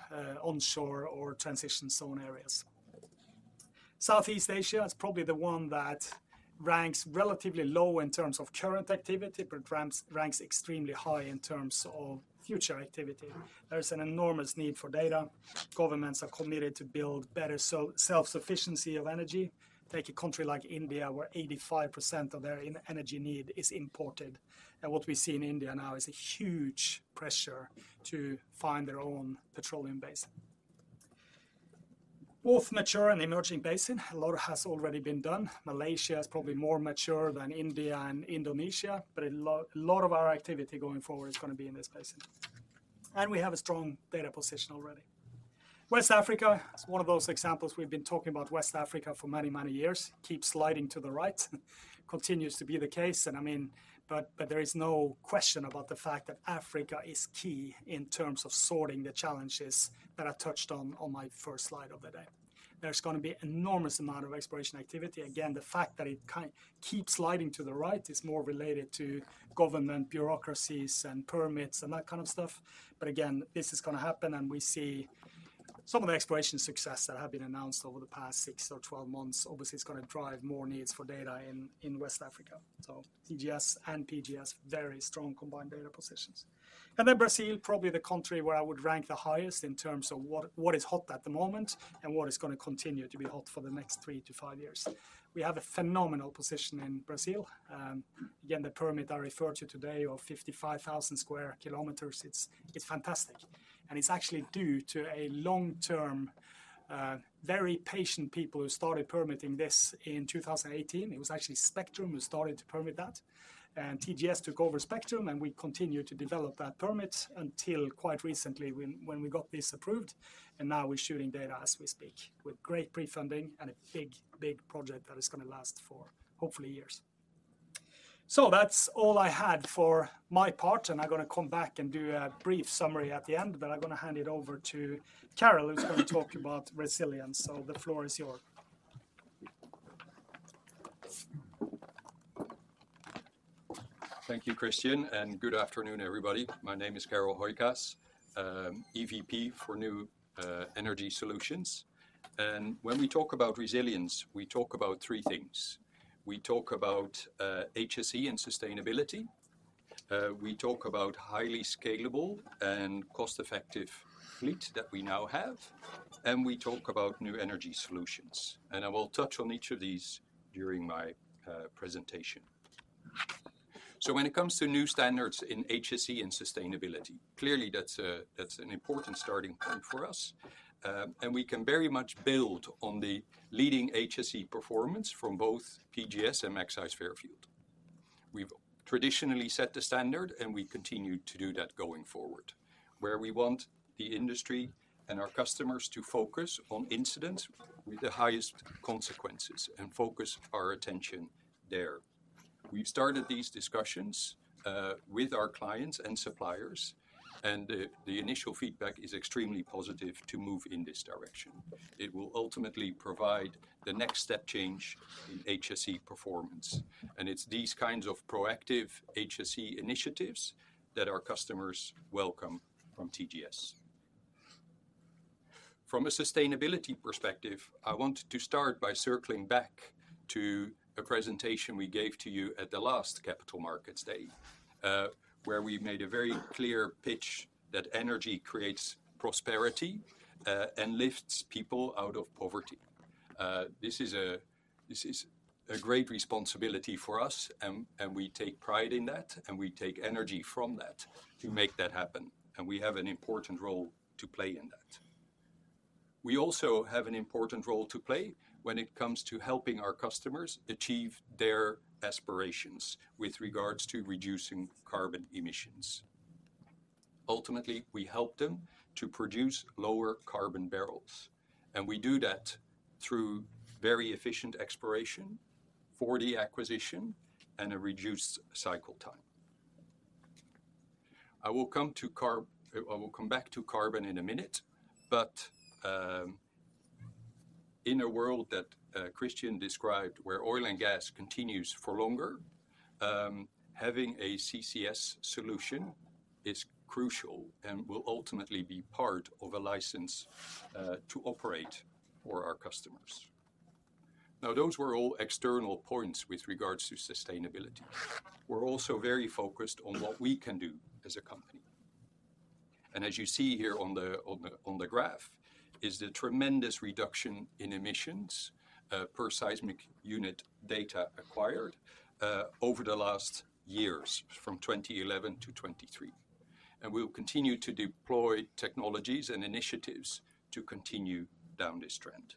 onshore or transition zone areas. Southeast Asia is probably the one that ranks relatively low in terms of current activity, but ranks extremely high in terms of future activity. There is an enormous need for data. Governments are committed to build better so self-sufficiency of energy. Take a country like India, where 85% of their energy need is imported, and what we see in India now is a huge pressure to find their own petroleum basin. Both mature and emerging basin, a lot has already been done. Malaysia is probably more mature than India and Indonesia, but a lot of our activity going forward is gonna be in this basin. We have a strong data position already. West Africa, it's one of those examples we've been talking about West Africa for many, many years. Keeps sliding to the right, continues to be the case, and I mean, but there is no question about the fact that Africa is key in terms of sorting the challenges that I've touched on, on my first slide of the day. There's gonna be enormous amount of exploration activity. Again, the fact that it keeps sliding to the right is more related to government bureaucracies and permits and that kind of stuff. But again, this is gonna happen, and we see some of the exploration success that have been announced over the past six or twelve months. Obviously, it's gonna drive more needs for data in West Africa. So TGS and PGS, very strong combined data positions. And then Brazil, probably the country where I would rank the highest in terms of what is hot at the moment and what is gonna continue to be hot for the next three to five years. We have a phenomenal position in Brazil. Again, the permit I referred to today of 55,000 sq km, it's fantastic. And it's actually due to a long-term, very patient people who started permitting this in 2018. It was actually Spectrum who started to permit that, and TGS took over Spectrum, and we continued to develop that permit until quite recently, when we got this approved, and now we're shooting data as we speak, with great pre-funding and a big, big project that is gonna last for hopefully years. So that's all I had for my part, and I'm gonna come back and do a brief summary at the end, but I'm gonna hand it over to Carel, who's gonna talk about resilience. So the floor is yours. Thank you, Kristian, and good afternoon, everybody. My name is Carel Hooijkaas, EVP New Energy Solutions. and when we talk about resilience, we talk about three things. We talk about HSE and sustainability, we talk about highly scalable and cost-effective fleet that we now have, and we talk New Energy Solutions. and I will touch on each of these during my presentation. So when it comes to new standards in HSE and sustainability, clearly, that's an important starting point for us, and we can very much build on the leading HSE performance from both PGS and Magseis Fairfield. We've traditionally set the standard, and we continue to do that going forward, where we want the industry and our customers to focus on incidents with the highest consequences and focus our attention there. We've started these discussions with our clients and suppliers, and the initial feedback is extremely positive to move in this direction. It will ultimately provide the next step change in HSE performance, and it's these kinds of proactive HSE initiatives that our customers welcome from TGS. From a sustainability perspective, I want to start by circling back to a presentation we gave to you at the last Capital Markets Day, where we made a very clear pitch that energy creates prosperity, and lifts people out of poverty. This is a great responsibility for us, and we take pride in that, and we take energy from that to make that happen, and we have an important role to play in that. We also have an important role to play when it comes to helping our customers achieve their aspirations with regards to reducing carbon emissions. Ultimately, we help them to produce lower carbon barrels, and we do that through very efficient exploration, 4D acquisition, and a reduced cycle time. I will come back to carbon in a minute, but in a world that Kristian described, where oil and gas continues for longer, having a CCS solution is crucial and will ultimately be part of a license to operate for our customers. Now, those were all external points with regards to sustainability. We're also very focused on what we can do as a company. As you see here on the graph is the tremendous reduction in emissions per seismic unit data acquired over the last years, from 2011 to 2023. We will continue to deploy technologies and initiatives to continue down this trend.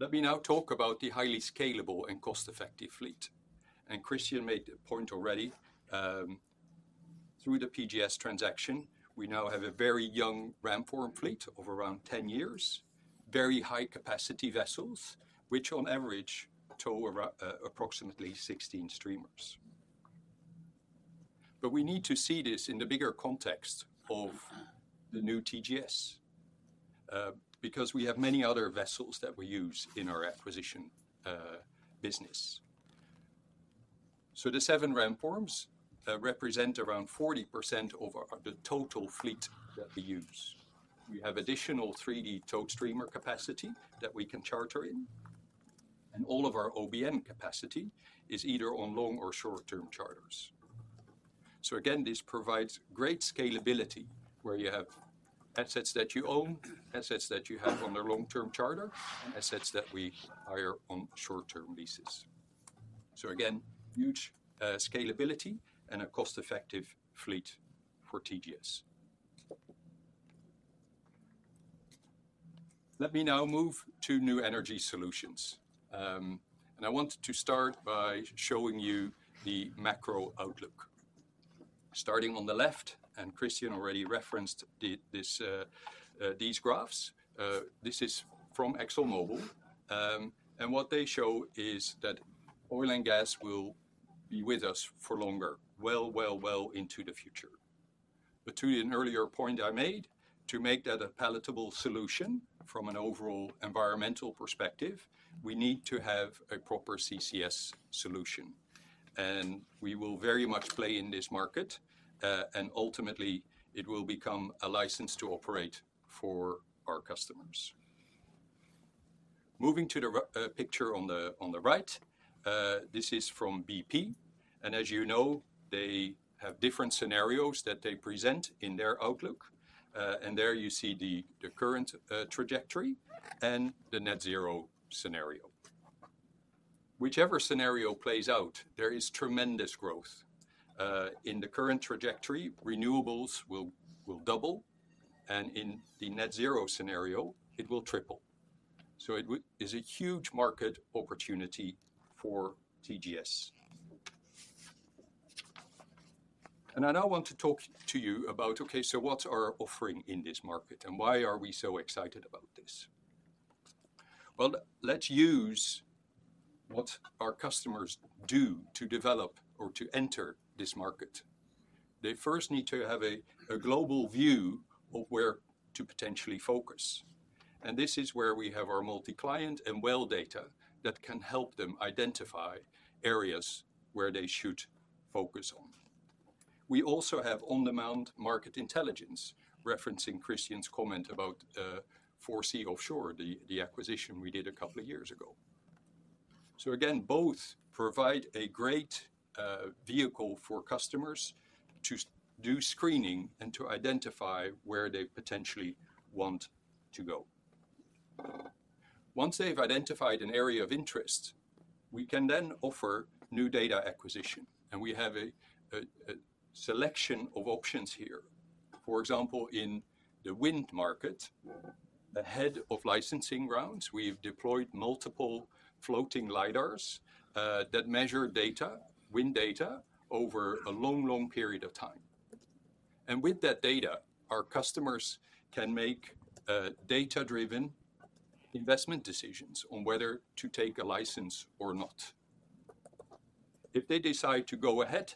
Let me now talk about the highly scalable and cost-effective fleet. Kristian made a point already through the PGS transaction. We now have a very young Ramform fleet of around 10 years, very high-capacity vessels, which on average tow around approximately 16 streamers. But we need to see this in the bigger context of the new TGS because we have many other vessels that we use in our acquisition business. So the 7 Ramforms represent around 40% of our total fleet that we use. We have additional 3D towed streamer capacity that we can charter in, and all of our OBN capacity is either on long or short-term charters. So again, this provides great scalability where you have assets that you own, assets that you have on a long-term charter, and assets that we hire on short-term leases. So again, huge scalability and a cost-effective fleet for TGS. Let me now move New Energy Solutions. and I want to start by showing you the macro outlook. Starting on the left, and Kristian already referenced these graphs. This is from ExxonMobil. And what they show is that oil and gas will be with us for longer, well into the future. But to an earlier point I made, to make that a palatable solution from an overall environmental perspective, we need to have a proper CCS solution, and we will very much play in this market, and ultimately, it will become a license to operate for our customers. Moving to the picture on the right, this is from BP, and as you know, they have different scenarios that they present in their outlook. And there you see the current trajectory and the Net Zero scenario. Whichever scenario plays out, there is tremendous growth. In the current trajectory, renewables will double, and in the Net Zero scenario, it will triple. So it's a huge market opportunity for TGS. I now want to talk to you about, okay, so what's our offering in this market, and why are we so excited about this? Let's use what our customers do to develop or to enter this market. They first need to have a global view of where to potentially focus, and this is where we have our Multi-Client and well data that can help them identify areas where they should focus on. We also have on-demand market intelligence, referencing Kristian's comment about 4C Offshore, the acquisition we did a couple of years ago. Again, both provide a great vehicle for customers to do screening and to identify where they potentially want to go. Once they've identified an area of interest, we can then offer new data acquisition, and we have a selection of options here. For example, in the wind market, ahead of licensing rounds, we've deployed multiple floating LiDARs that measure data, wind data, over a long, long period of time, and with that data, our customers can make data-driven investment decisions on whether to take a license or not. If they decide to go ahead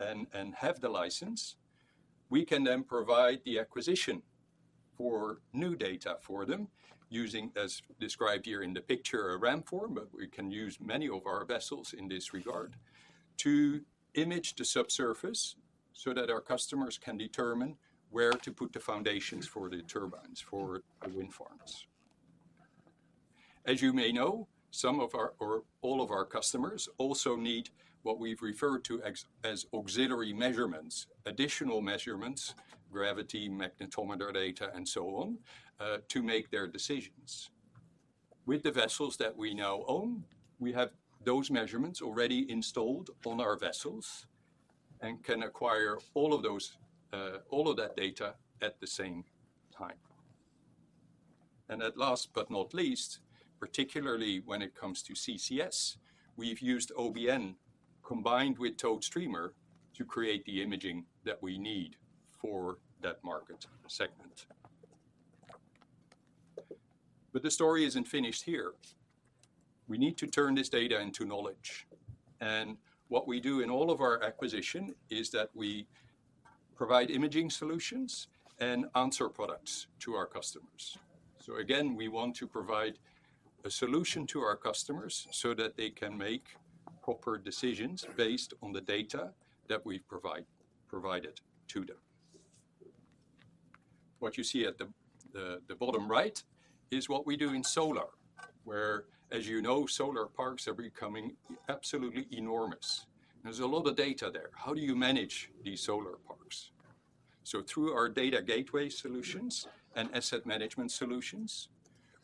and have the license, we can then provide the acquisition for new data for them, using, as described here in the picture, a Ramform, but we can use many of our vessels in this regard, to image the subsurface so that our customers can determine where to put the foundations for the turbines, for the wind farms. As you may know, some of our, or all of our customers also need what we've referred to as auxiliary measurements, additional measurements, gravity, magnetometer data, and so on, to make their decisions. With the vessels that we now own, we have those measurements already installed on our vessels, and can acquire all of those, all of that data at the same time. And at last but not least, particularly when it comes to CCS, we've used OBN, combined with towed streamer, to create the imaging that we need for that market segment. But the story isn't finished here. We need to turn this data into knowledge, and what we do in all of our acquisition is that we provide imaging solutions and answer products to our customers. So again, we want to provide a solution to our customers so that they can make proper decisions based on the data that we provided to them. What you see at the bottom right is what we do in solar, where, as you know, solar parks are becoming absolutely enormous. There's a lot of data there. How do you manage these solar parks? So through our Data Gateway solutions and asset management solutions,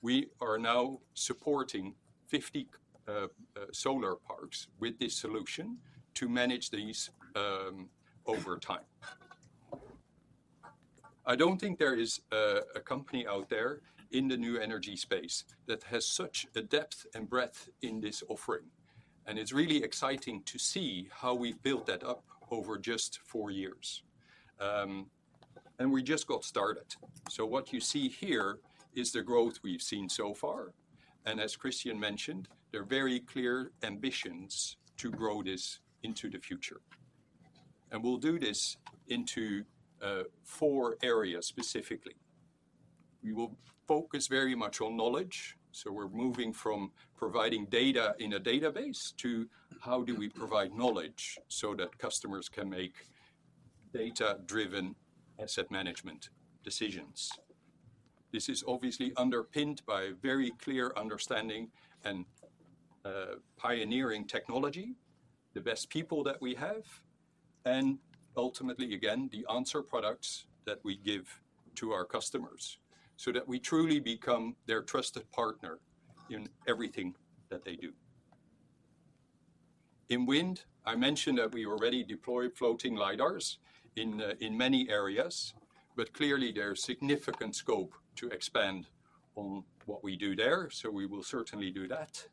we are now supporting 50 solar parks with this solution to manage these over time. I don't think there is a company out there in the New Energy space that has such a depth and breadth in this offering, and it's really exciting to see how we've built that up over just four years. And we just got started. So what you see here is the growth we've seen so far, and as Kristian mentioned, there are very clear ambitions to grow this into the future. And we'll do this into four areas specifically. We will focus very much on knowledge, so we're moving from providing data in a database to how do we provide knowledge so that customers can make data-driven asset management decisions. This is obviously underpinned by a very clear understanding and pioneering technology, the best people that we have, and ultimately, again, the answer products that we give to our customers so that we truly become their trusted partner in everything that they do. In wind, I mentioned that we already deployed floating LiDARs in many areas, but clearly, there's significant scope to expand on what we do there, so we will certainly do that.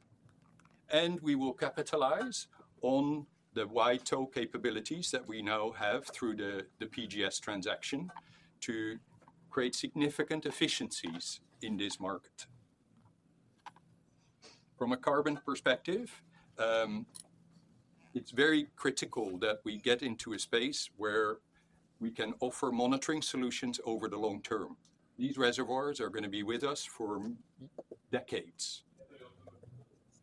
And we will capitalize on the wide tow capabilities that we now have through the PGS transaction to create significant efficiencies in this market. From a carbon perspective, it's very critical that we get into a space where we can offer monitoring solutions over the long-term. These reservoirs are gonna be with us for decades,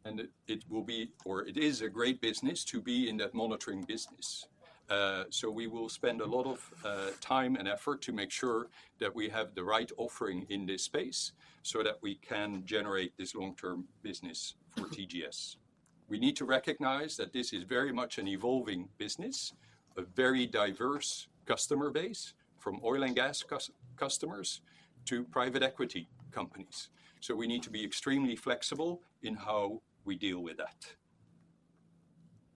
and it will be, or it is a great business to be in that monitoring business. So we will spend a lot of time and effort to make sure that we have the right offering in this space so that we can generate this long-term business for TGS. We need to recognize that this is very much an evolving business, a very diverse customer base, from oil and gas customers to private equity companies, so we need to be extremely flexible in how we deal with that.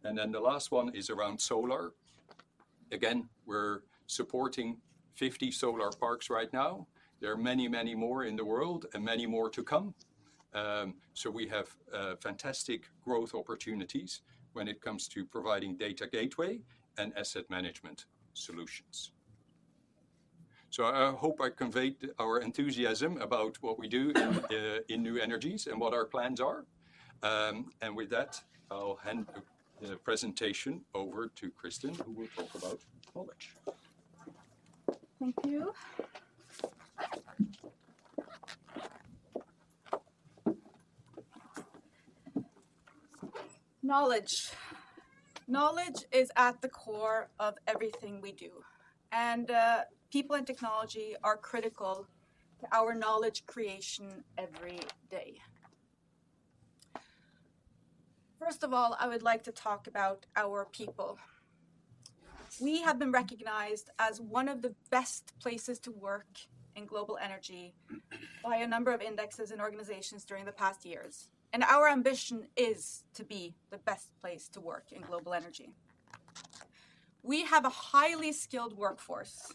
And then the last one is around solar. Again, we're supporting 50 solar parks right now. There are many, many more in the world and many more to come, so we have fantastic growth opportunities when it comes to providing Data Gateway and asset management solutions. So I hope I conveyed our enthusiasm about what we do in new energies and what our plans are. And with that, I'll hand the presentation over to Kristin, who will talk about knowledge. Thank you. Knowledge. Knowledge is at the core of everything we do, and, people and technology are critical to our knowledge creation every day. First of all, I would like to talk about our people. We have been recognized as one of the best places to work in global energy by a number of indexes and organizations during the past years, and our ambition is to be the best place to work in global energy. We have a highly skilled workforce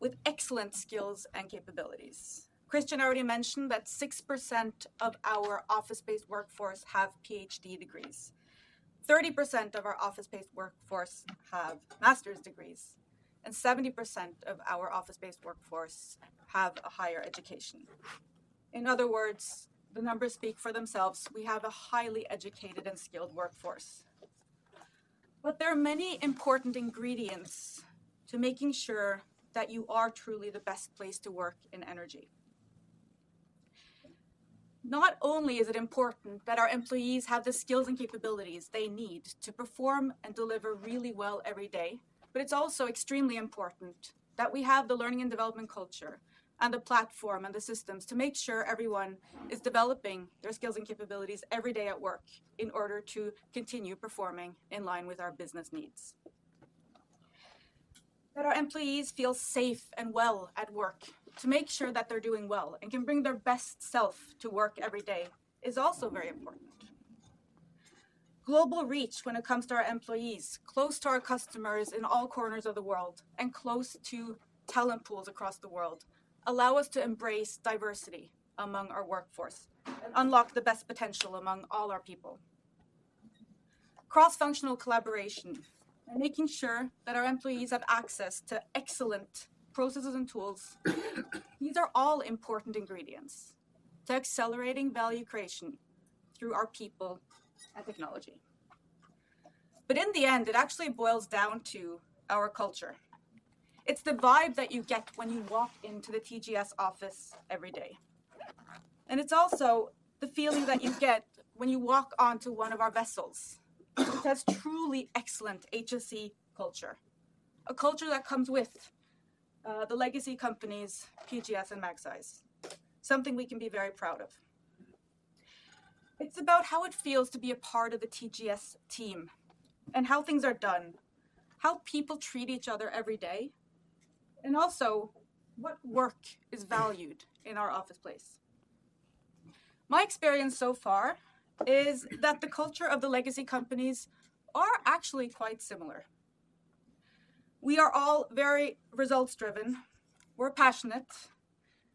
with excellent skills and capabilities. Kristian already mentioned that 6% of our office-based workforce have PhD degrees. 30% of our office-based workforce have master's degrees, and 70% of our office-based workforce have a higher education. In other words, the numbers speak for themselves. We have a highly educated and skilled workforce. But there are many important ingredients to making sure that you are truly the best place to work in energy. Not only is it important that our employees have the skills and capabilities they need to perform and deliver really well every day, but it's also extremely important that we have the learning and development culture, and the platform, and the systems to make sure everyone is developing their skills and capabilities every day at work in order to continue performing in line with our business needs. That our employees feel safe and well at work, to make sure that they're doing well and can bring their best self to work every day is also very important. Global reach when it comes to our employees, close to our customers in all corners of the world, and close to talent pools across the world, allow us to embrace diversity among our workforce and unlock the best potential among all our people. Cross-functional collaboration and making sure that our employees have access to excellent processes and tools, these are all important ingredients to accelerating value creation through our people and technology. But in the end, it actually boils down to our culture. It's the vibe that you get when you walk into the TGS office every day, and it's also the feeling that you get when you walk onto one of our vessels. It has truly excellent HSE culture, a culture that comes with the legacy companies, PGS and Magseis. Something we can be very proud of. It's about how it feels to be a part of the TGS team and how things are done, how people treat each other every day, and also what work is valued in our office place. My experience so far is that the culture of the legacy companies are actually quite similar. We are all very results-driven, we're passionate,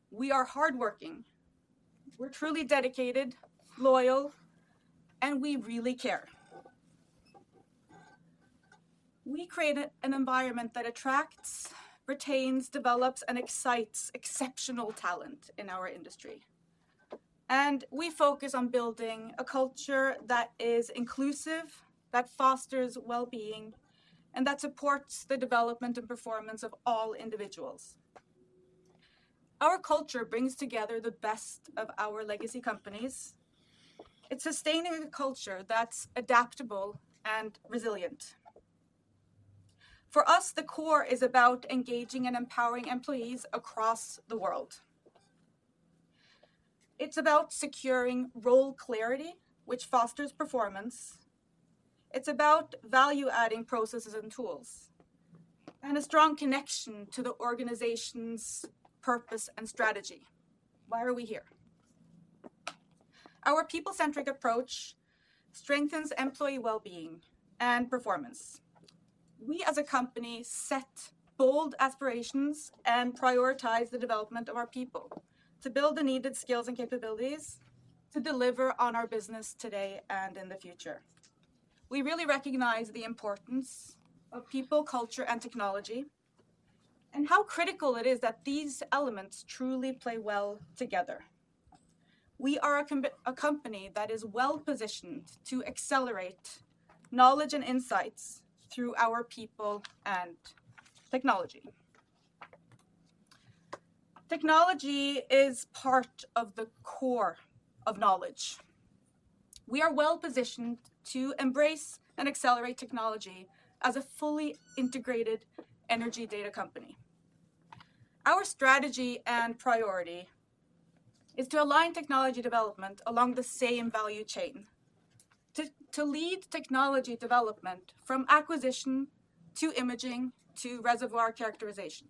we are hardworking, we're truly dedicated, loyal, and we really care. We create an environment that attracts, retains, develops, and excites exceptional talent in our industry, and we focus on building a culture that is inclusive, that fosters well-being, and that supports the development and performance of all individuals. Our culture brings together the best of our legacy companies. It's sustaining a culture that's adaptable and resilient. For us, the core is about engaging and empowering employees across the world. It's about securing role clarity, which fosters performance. It's about value-adding processes and tools, and a strong connection to the organization's purpose and strategy. Why are we here? Our people-centric approach strengthens employee well-being and performance. We, as a company, set bold aspirations and prioritize the development of our people to build the needed skills and capabilities to deliver on our business today and in the future. We really recognize the importance of people, culture, and technology, and how critical it is that these elements truly play well together. We are a company that is well-positioned to accelerate knowledge and insights through our people and technology. Technology is part of the core of knowledge. We are well-positioned to embrace and accelerate technology as a fully integrated energy data company. Our strategy and priority is to align technology development along the same value chain, to lead technology development from acquisition to imaging, to reservoir characterization.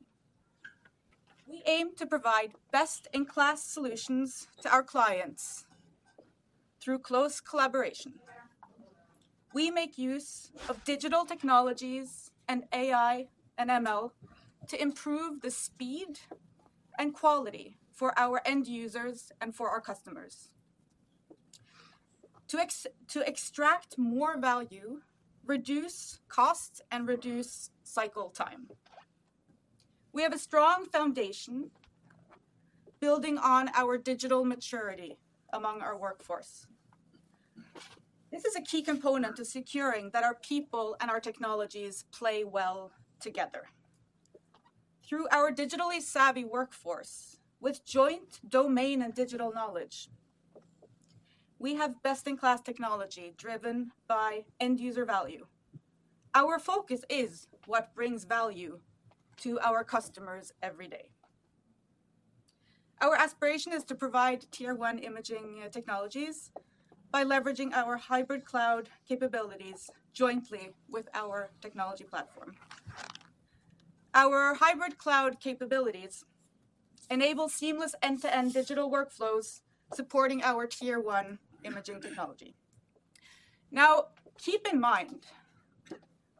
We aim to provide best-in-class solutions to our clients through close collaboration. We make use of digital technologies and AI and ML to improve the speed and quality for our end users and for our customers, to extract more value, reduce costs, and reduce cycle time. We have a strong foundation building on our digital maturity among our workforce. This is a key component to securing that our people and our technologies play well together. Through our digitally savvy workforce, with joint domain and digital knowledge, we have best-in-class technology driven by end-user value. Our focus is what brings value to our customers every day. Our aspiration is to provide Tier 1 imaging technologies by leveraging our hybrid cloud capabilities jointly with our technology platform. Our hybrid cloud capabilities enable seamless end-to-end digital workflows supporting our Tier 1 imaging technology. Now, keep in mind,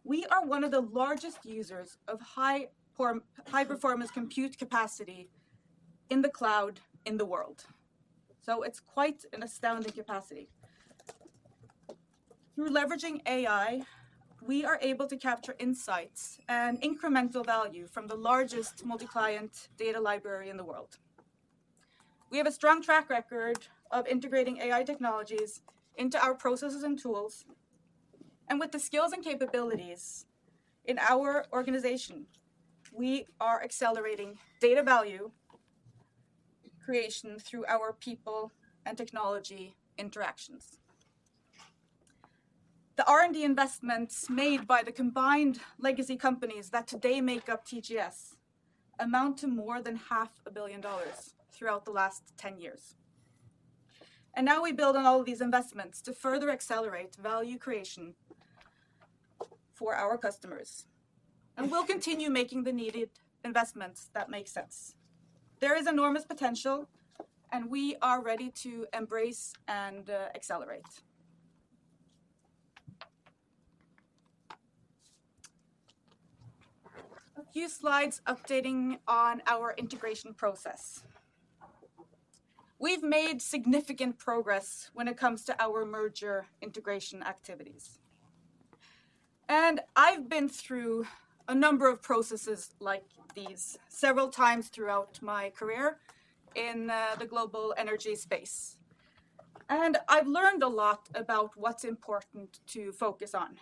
we are one of the largest users of high-performance compute capacity in the cloud in the world, so it's quite an astounding capacity. Through leveraging AI, we are able to capture insights and incremental value from the largest Multi-Client data library in the world. We have a strong track record of integrating AI technologies into our processes and tools, and with the skills and capabilities in our organization, we are accelerating data value creation through our people and technology interactions. The R&D investments made by the combined legacy companies that today make up TGS amount to more than $500 million throughout the last 10 years. And now we build on all of these investments to further accelerate value creation for our customers, and we'll continue making the needed investments that make sense. There is enormous potential, and we are ready to embrace and accelerate. A few slides updating on our integration process. We've made significant progress when it comes to our merger integration activities, and I've been through a number of processes like these several times throughout my career in the global energy space. And I've learned a lot about what's important to focus on.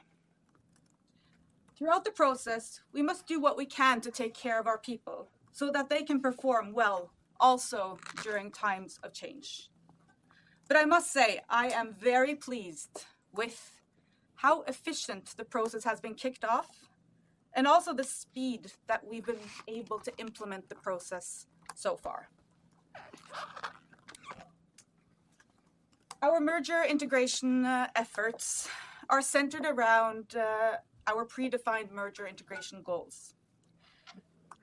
Throughout the process, we must do what we can to take care of our people so that they can perform well, also during times of change. But I must say, I am very pleased with how efficient the process has been kicked off, and also the speed that we've been able to implement the process so far. Our merger integration efforts are centered around our predefined merger integration goals.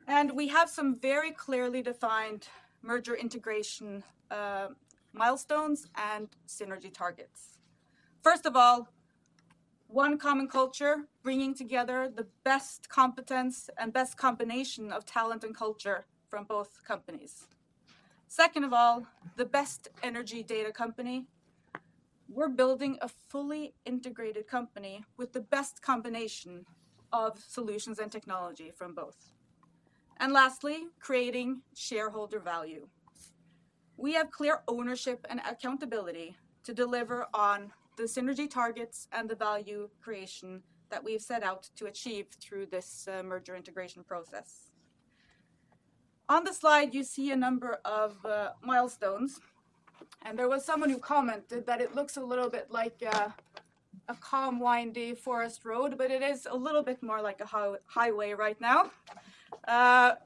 And we have some very clearly defined merger integration milestones and synergy targets. First of all, one common culture, bringing together the best competence and best combination of talent and culture from both companies. Second of all, the best energy data company. We're building a fully integrated company with the best combination of solutions and technology from both. And lastly, creating shareholder value. We have clear ownership and accountability to deliver on the synergy targets and the value creation that we've set out to achieve through this merger integration process. On the slide, you see a number of milestones, and there was someone who commented that it looks a little bit like a calm, windy forest road, but it is a little bit more like a highway right now.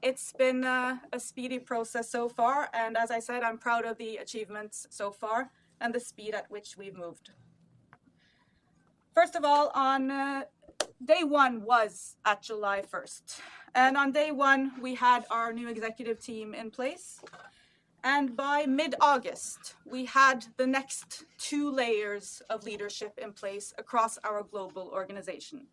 It's been a speedy process so far, and as I said, I'm proud of the achievements so far and the speed at which we've moved. First of all, on day one was at July 1st, and on day one, we had our new executive team in place, and by mid-August, we had the next two layers of leadership in place across our global organization.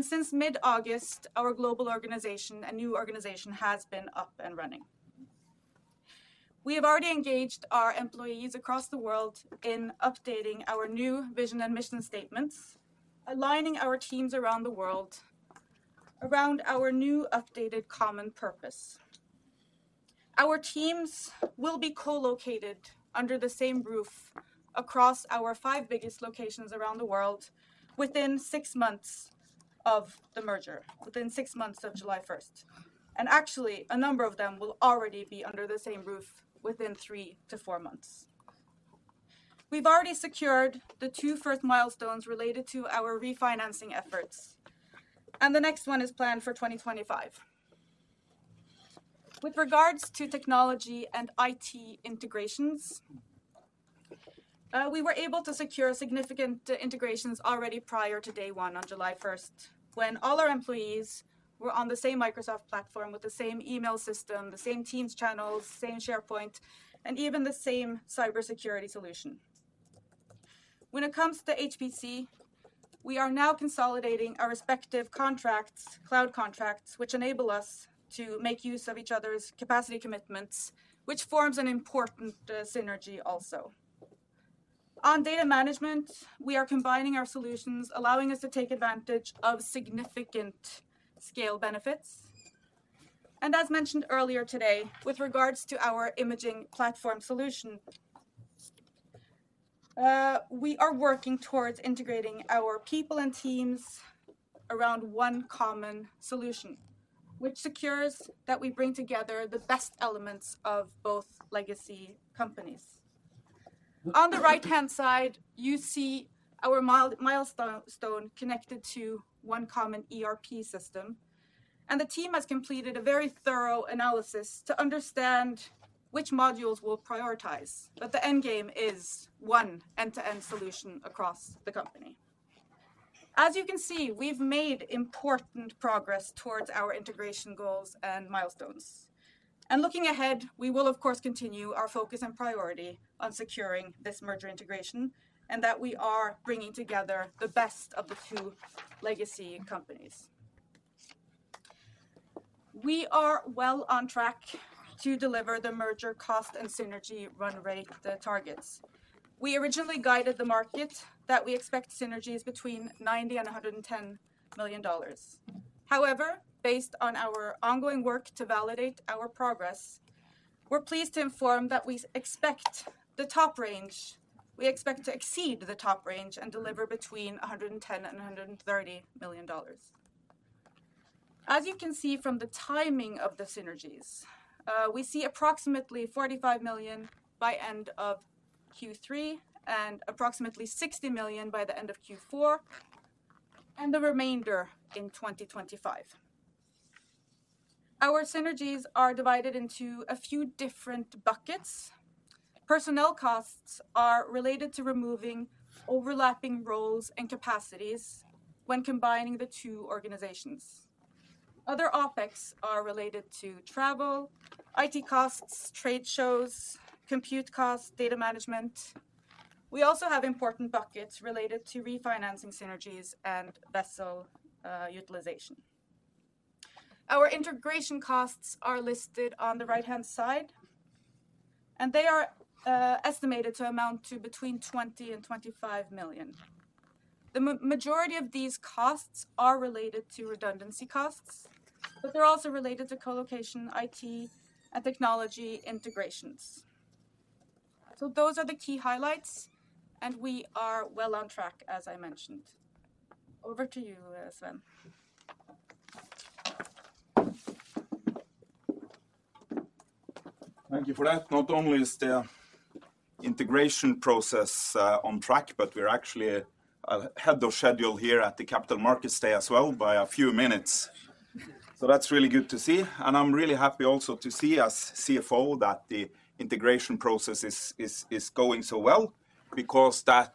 Since mid-August, our global organization and new organization has been up and running. We have already engaged our employees across the world in updating our new vision and mission statements, aligning our teams around the world, around our new updated common purpose. Our teams will be co-located under the same roof across our five biggest locations around the world, within six months of the merger, within six months of July 1st. Actually, a number of them will already be under the same roof within three to four months. We have already secured the two first milestones related to our refinancing efforts, and the next one is planned for 2025. With regards to technology and IT integrations, we were able to secure significant integrations already prior to day one on July 1st, when all our employees were on the same Microsoft platform with the same email system, the same Teams channels, same SharePoint, and even the same cybersecurity solution. When it comes to HPC, we are now consolidating our respective contracts, cloud contracts, which enable us to make use of each other's capacity commitments, which forms an important synergy also. On data management, we are combining our solutions, allowing us to take advantage of significant scale benefits. And as mentioned earlier today, with regards to our imaging platform solution, we are working towards integrating our people and teams around one common solution, which secures that we bring together the best elements of both legacy companies. On the right-hand side, you see our milestone connected to one common ERP system, and the team has completed a very thorough analysis to understand which modules we'll prioritize, but the end game is one end-to-end solution across the company. As you can see, we've made important progress towards our integration goals and milestones. And looking ahead, we will, of course, continue our focus and priority on securing this merger integration, and that we are bringing together the best of the two legacy companies. We are well on track to deliver the merger cost and synergy run rate targets. We originally guided the market that we expect synergies between $90 million and $110 million. However, based on our ongoing work to validate our progress, we're pleased to inform that we expect the top range - We expect to exceed the top range and deliver between $110 million and $130 million. As you can see from the timing of the synergies, we see approximately $45 million by end of Q3, and approximately $60 million by the end of Q4, and the remainder in 2025. Our synergies are divided into a few different buckets. Personnel costs are related to removing overlapping roles and capacities when combining the two organizations. Other OpEx are related to travel, IT costs, trade shows, compute costs, data management. We also have important buckets related to refinancing synergies and vessel utilization. Our integration costs are listed on the right-hand side, and they are estimated to amount to between $20 million and $25 million. The majority of these costs are related to redundancy costs, but they're also related to co-location, IT, and technology integrations. So those are the key highlights, and we are well on track, as I mentioned. Over to you, Sven. Thank you for that. Not only is the integration process on track, but we're actually ahead of schedule here at the Capital Markets Day as well by a few minutes, so that's really good to see, and I'm really happy also to see as CFO that the integration process is going so well, because that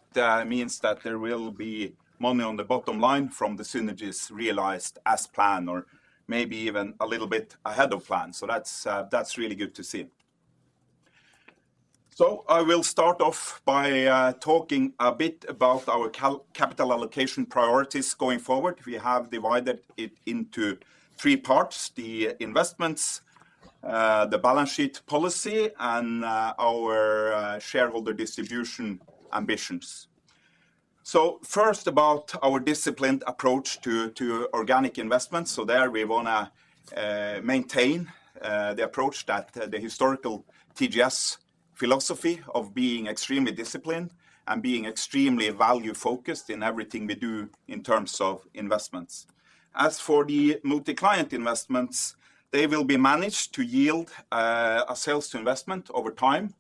means that there will be money on the bottom line from the synergies realized as planned, or maybe even a little bit ahead of plan, so that's really good to see. I will start off by talking a bit about our capital allocation priorities going forward. We have divided it into three parts: the investments, the balance sheet policy, and our shareholder distribution ambitions. First, about our disciplined approach to organic investments. So there we wanna maintain the approach that the historical TGS philosophy of being extremely disciplined and being extremely value-focused in everything we do in terms of investments. As for the Multi-Client investments, they will be managed to yield a sales to investment over time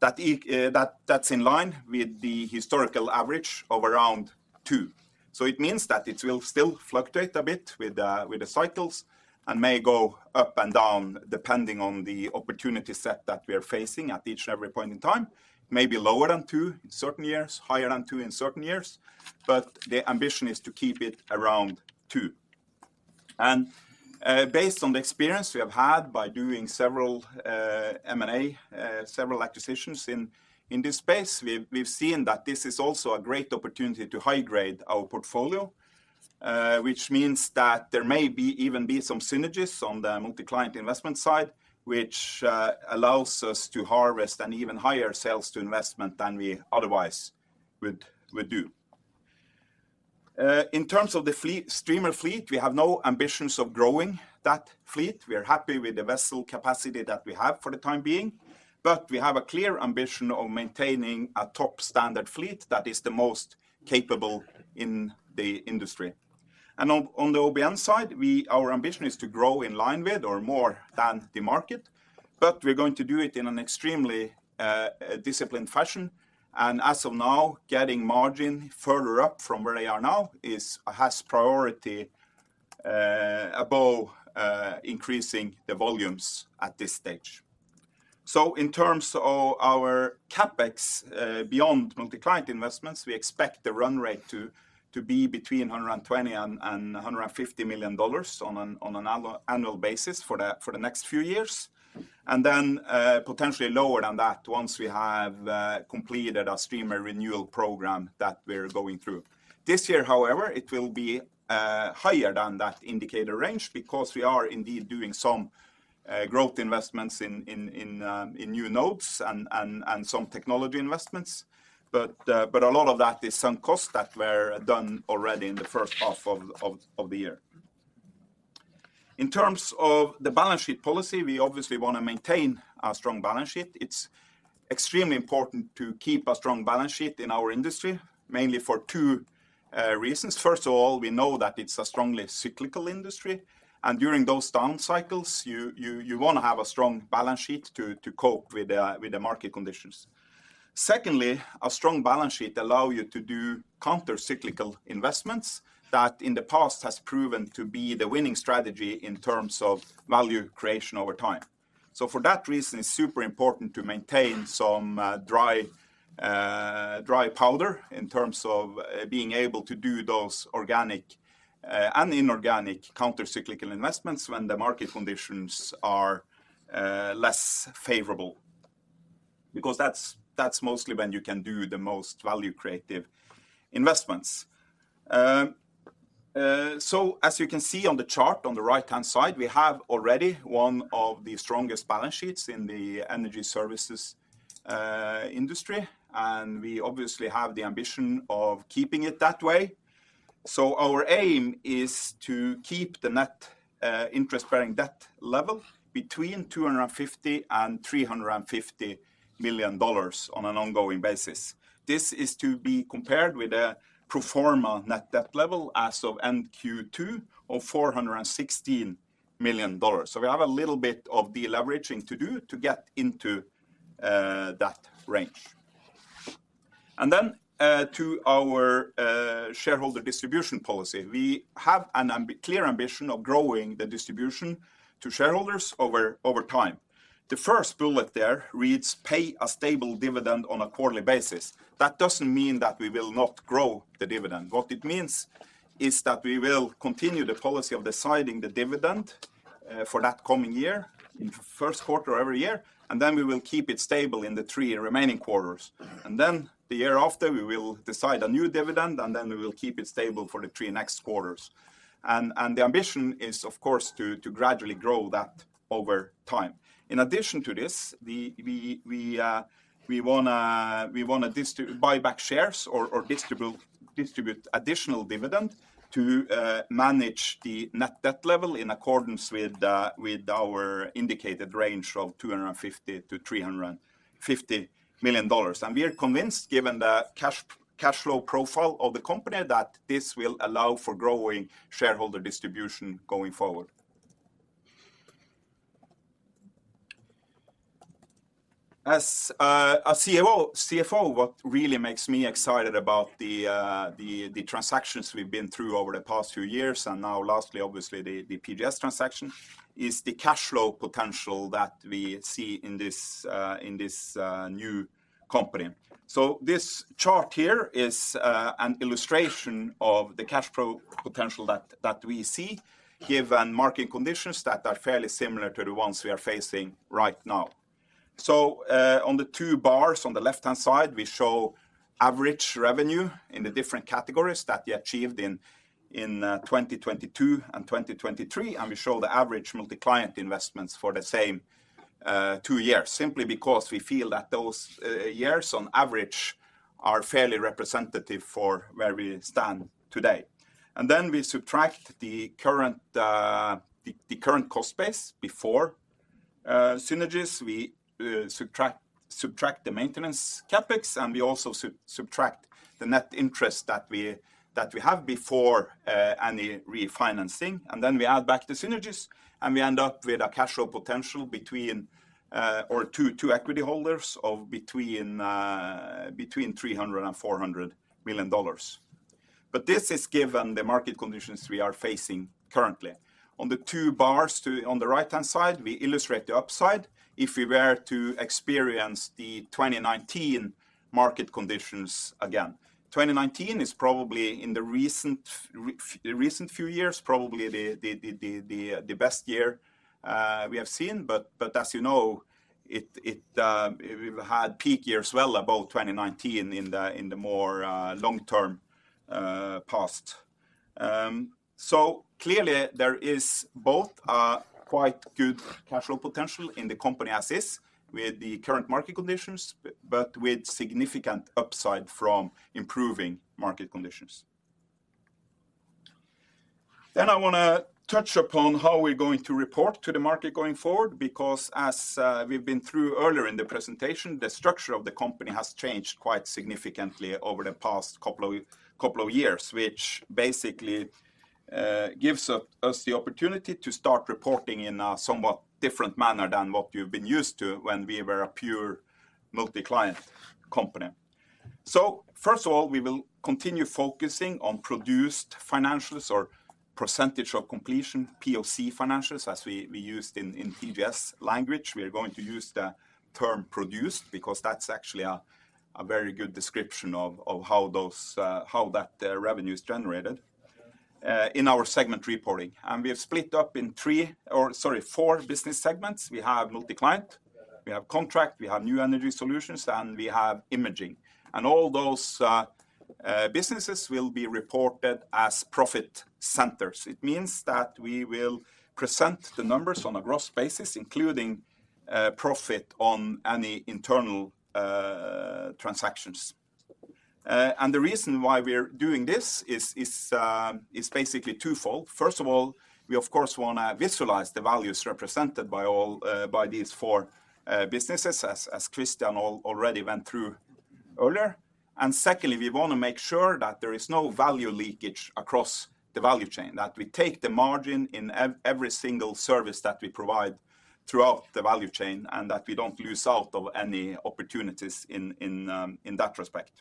that that's in line with the historical average of around two. So it means that it will still fluctuate a bit with the cycles and may go up and down, depending on the opportunity set that we are facing at each and every point in time. Maybe lower than two in certain years, higher than two in certain years, but the ambition is to keep it around two. Based on the experience we have had by doing several M&A, several acquisitions in this space, we've seen that this is also a great opportunity to high grade our portfolio. Which means that there may even be some synergies on the Multi-Client investment side, which allows us to harvest an even higher sales to investment than we otherwise would do. In terms of the fleet, streamer fleet, we have no ambitions of growing that fleet. We are happy with the vessel capacity that we have for the time being, but we have a clear ambition of maintaining a top standard fleet that is the most capable in the industry. On the OBN side, our ambition is to grow in line with or more than the market, but we're going to do it in an extremely disciplined fashion. As of now, getting margin further up from where they are now has priority above increasing the volumes at this stage. In terms of our CapEx, beyond Multi-Client investments, we expect the run rate to be between $120 million and $150 million on an annual basis for the next few years, and then potentially lower than that once we have completed our streamer renewal program that we're going through. This year, however, it will be higher than that indicator range because we are indeed doing some growth investments in new builds and some technology investments. But a lot of that is some costs that were done already in the first half of the year. In terms of the balance sheet policy, we obviously wanna maintain a strong balance sheet. It's extremely important to keep a strong balance sheet in our industry, mainly for two reasons. First of all, we know that it's a strongly cyclical industry, and during those down cycles, you wanna have a strong balance sheet to cope with the market conditions. Secondly, a strong balance sheet allow you to do counter-cyclical investments that in the past has proven to be the winning strategy in terms of value creation over time. So for that reason, it's super important to maintain some dry powder in terms of being able to do those organic and inorganic counter-cyclical investments when the market conditions are less favorable. Because that's mostly when you can do the most value creative investments, so as you can see on the chart on the right-hand side, we have already one of the strongest balance sheets in the energy services industry, and we obviously have the ambition of keeping it that way, so our aim is to keep the net interest-bearing debt level between $250 million and $350 million on an ongoing basis. This is to be compared with a pro forma net debt level as of end Q2 of $416 million. We have a little bit of deleveraging to do to get into that range. Then, to our shareholder distribution policy, we have an ambitious ambition of growing the distribution to shareholders over time. The first bullet there reads, "Pay a stable dividend on a quarterly basis." That doesn't mean that we will not grow the dividend. What it means is that we will continue the policy of deciding the dividend for that coming year, in first quarter every year, and then we will keep it stable in the three remaining quarters. Then the year after, we will decide a new dividend, and then we will keep it stable for the three next quarters. And the ambition is, of course, to gradually grow that over time. In addition to this, we wanna buy back shares or distribute additional dividend to manage the net debt level in accordance with our indicated range of $250 million-$350 million. And we are convinced, given the cash flow profile of the company, that this will allow for growing shareholder distribution going forward. As a CFO, what really makes me excited about the transactions we've been through over the past few years, and now lastly, obviously, the PGS transaction, is the cash flow potential that we see in this new company. So this chart here is an illustration of the cash flow potential that we see, given market conditions that are fairly similar to the ones we are facing right now. So, on the two bars on the left-hand side, we show average revenue in the different categories that we achieved in 2022 and 2023, and we show the average Multi-Client investments for the same two years, simply because we feel that those years on average are fairly representative for where we stand today. And then we subtract the current cost base before synergies. We subtract the maintenance CapEx, and we also subtract the net interest that we have before any refinancing, and then we add back the synergies, and we end up with a cash flow potential between two equity holders of between $300 million and $400 million. But this is given the market conditions we are facing currently. On the two bars on the right-hand side, we illustrate the upside if we were to experience the 2019 market conditions again. 2019 is probably in the recent few years, probably the best year we have seen, but as you know, it, we've had peak years well above 2019 in the more long-term past. So clearly, there is both a quite good cash flow potential in the company as is, with the current market conditions, but with significant upside from improving market conditions. Then I wanna touch upon how we're going to report to the market going forward, because as we've been through earlier in the presentation, the structure of the company has changed quite significantly over the past couple of years, which basically gives us the opportunity to start reporting in a somewhat different manner than what you've been used to when we were a pure Multi-Client company. So first of all, we will continue focusing on produced financials or percentage of completion, POC financials, as we used in PGS language. We are going to use the term produced, because that's actually a very good description of how that revenue is generated in our segment reporting. And we have split up in three, or sorry, four business segments. We have Multi-Client, we have Contract, we New Energy Solutions, and we have Imaging. And all those businesses will be reported as profit centers. It means that we will present the numbers on a gross basis, including profit on any internal transactions. And the reason why we're doing this is basically twofold. First of all, we of course wanna visualize the values represented by all by these four businesses, as Kristian already went through earlier. And secondly, we want to make sure that there is no value leakage across the value chain, that we take the margin in every single service that we provide throughout the value chain, and that we don't lose out of any opportunities in that respect.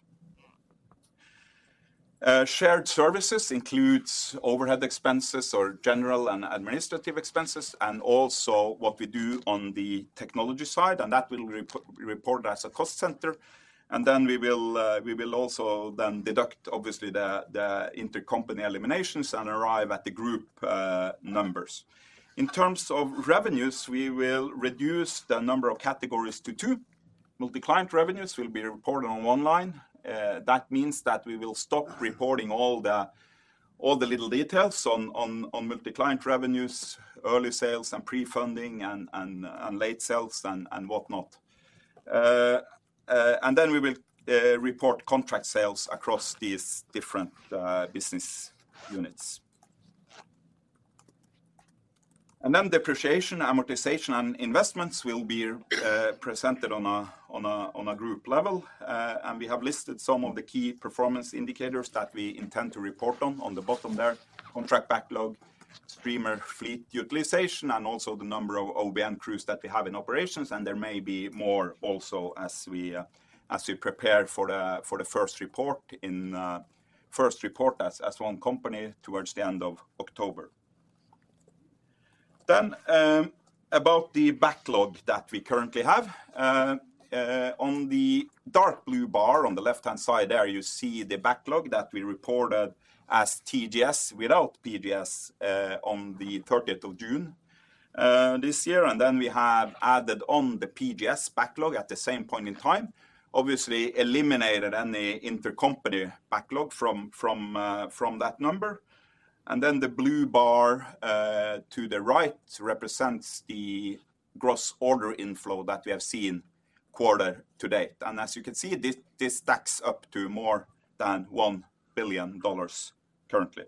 Shared services includes overhead expenses or general and administrative expenses, and also what we do on the technology side, and that will report as a cost center. And then we will also then deduct, obviously, the intercompany eliminations and arrive at the group numbers. In terms of revenues, we will reduce the number of categories to two. Multi-Client revenues will be reported on one line. That means that we will stop reporting all the little details on Multi-Client revenues, early sales, and pre-funding and late sales and whatnot. And then we will report contract sales across these different business units. And then depreciation, amortization, and investments will be presented on a group level. And we have listed some of the key performance indicators that we intend to report on the bottom there, contract backlog, streamer fleet utilization and also the number of OBN crews that we have in operations, and there may be more also as we prepare for the first report as one company towards the end of October. Then, about the backlog that we currently have. On the dark blue bar on the left-hand side there, you see the backlog that we reported as TGS without PGS on the thirtieth of June this year. We have added on the PGS backlog at the same point in time, obviously eliminated any intercompany backlog from that number. The blue bar to the right represents the gross order inflow that we have seen quarter to date. As you can see, this stacks up to more than $1 billion currently.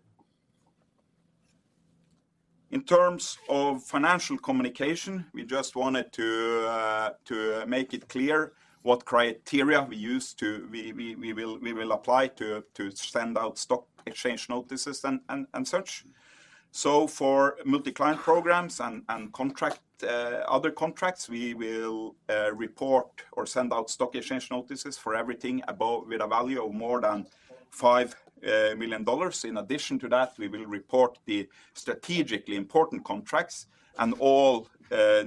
In terms of financial communication, we just wanted to make it clear what criteria we will apply to send out stock exchange notices and such. For Multi-Client programs and contract other contracts, we will report or send out stock exchange notices for everything above with a value of more than $5 million. In addition to that, we will report the strategically important contracts and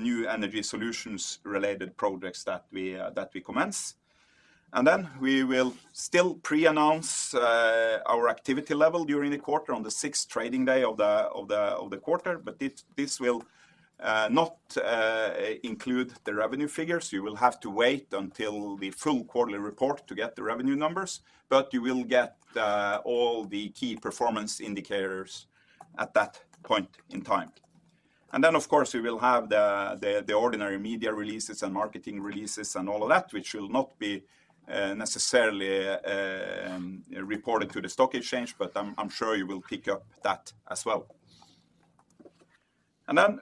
New Energy Solutions related projects that we commence. Then we will still pre-announce our activity level during the quarter on the sixth trading day of the quarter, but this will not include the revenue figures. You will have to wait until the full quarterly report to get the revenue numbers, but you will get all the key performance indicators at that point in time. And then, of course, we will have the ordinary media releases and marketing releases and all of that, which will not be necessarily reported to the stock exchange, but I'm sure you will pick up that as well.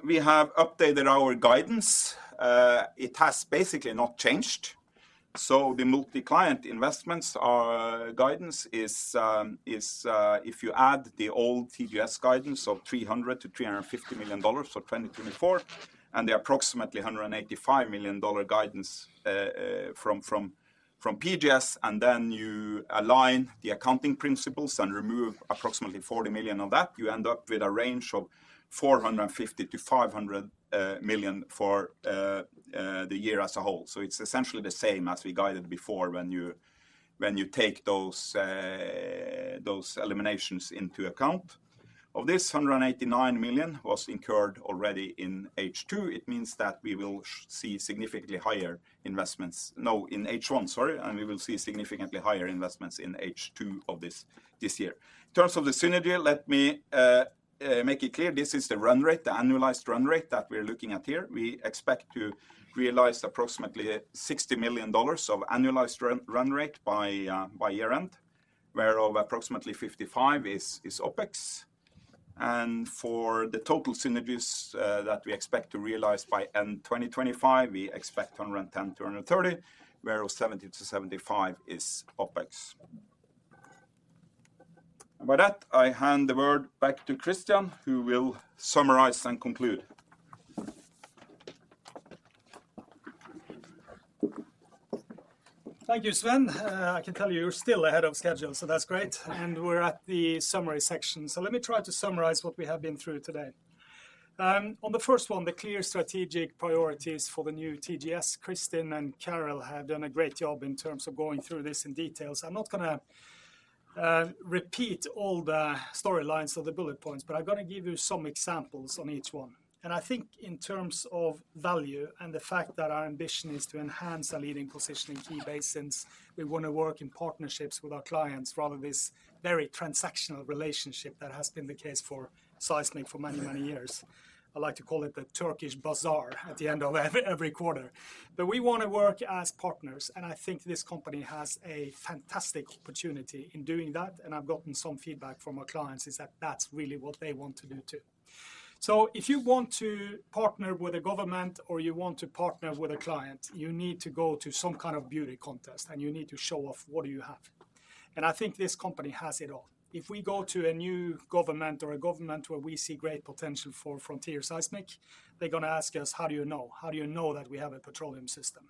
We have updated our guidance. It has basically not changed. The Multi-Client investments, our guidance is, if you add the old TGS guidance of $300 million-$350 million for 2024, and the approximately $185 million guidance from PGS, and then you align the accounting principles and remove approximately $40 million of that, you end up with a range of $450 million-$500 million for the year as a whole. It's essentially the same as we guided before when you take those eliminations into account. Of this, 189 million was incurred already in H2. It means that we will see significantly higher investments. No, in H1, sorry, and we will see significantly higher investments in H2 of this year. In terms of the synergy, let me make it clear, this is the run rate, the annualized run rate that we're looking at here. We expect to realize approximately $60 million of annualized run rate by year-end, whereof approximately 55 is OpEx. And for the total synergies that we expect to realize by end 2025, we expect $110 million-$130 million, whereof 70-75 is OpEx. By that, I hand the word back to Kristian, who will summarize and conclude. Thank you, Sven. I can tell you, you're still ahead of schedule, so that's great. And we're at the summary section. So let me try to summarize what we have been through today. On the first one, the clear strategic priorities for the new TGS, Kristin and Carel have done a great job in terms of going through this in details. I'm not gonna repeat all the storylines or the bullet points, but I'm gonna give you some examples on each one. And I think in terms of value and the fact that our ambition is to enhance our leading position in key basins, we wanna work in partnerships with our clients, rather this very transactional relationship that has been the case for seismic for many, many years. I like to call it the Turkish bazaar at the end of every quarter. But we wanna work as partners, and I think this company has a fantastic opportunity in doing that, and I've gotten some feedback from our clients is that that's really what they want to do, too. So if you want to partner with a government or you want to partner with a client, you need to go to some kind of beauty contest, and you need to show off what do you have, and I think this company has it all. If we go to a new government or a government where we see great potential for frontier seismic, they're gonna ask us: How do you know? How do you know that we have a petroleum system?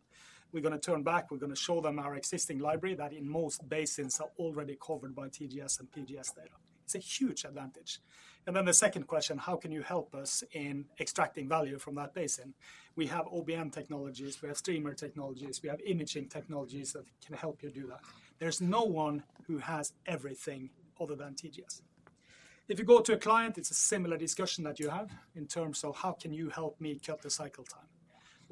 We're gonna turn back, we're gonna show them our existing library, that in most basins are already covered by TGS and PGS data. It's a huge advantage. Then the second question: How can you help us in extracting value from that basin? We have OBN technologies, we have streamer technologies, we have imaging technologies that can help you do that. There's no one who has everything other than TGS. If you go to a client, it's a similar discussion that you have in terms of, how can you help me cut the cycle time?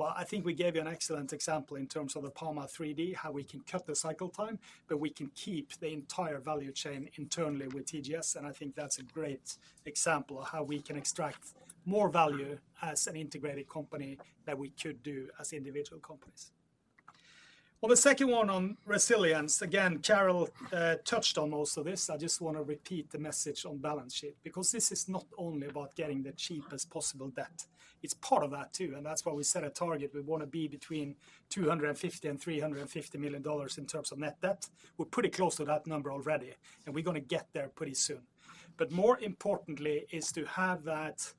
Well, I think we gave you an excellent example in terms of the PAMA 3D, how we can cut the cycle time, but we can keep the entire value chain internally with TGS, and I think that's a great example of how we can extract more value as an integrated company than we could do as individual companies. The second one on resilience, again, Carel touched on most of this. I just wanna repeat the message on balance sheet, because this is not only about getting the cheapest possible debt, it's part of that too, and that's why we set a target. We wanna be between $250 million and $350 million in terms of net debt. We're pretty close to that number already, and we're gonna get there pretty soon. But more importantly, is to have that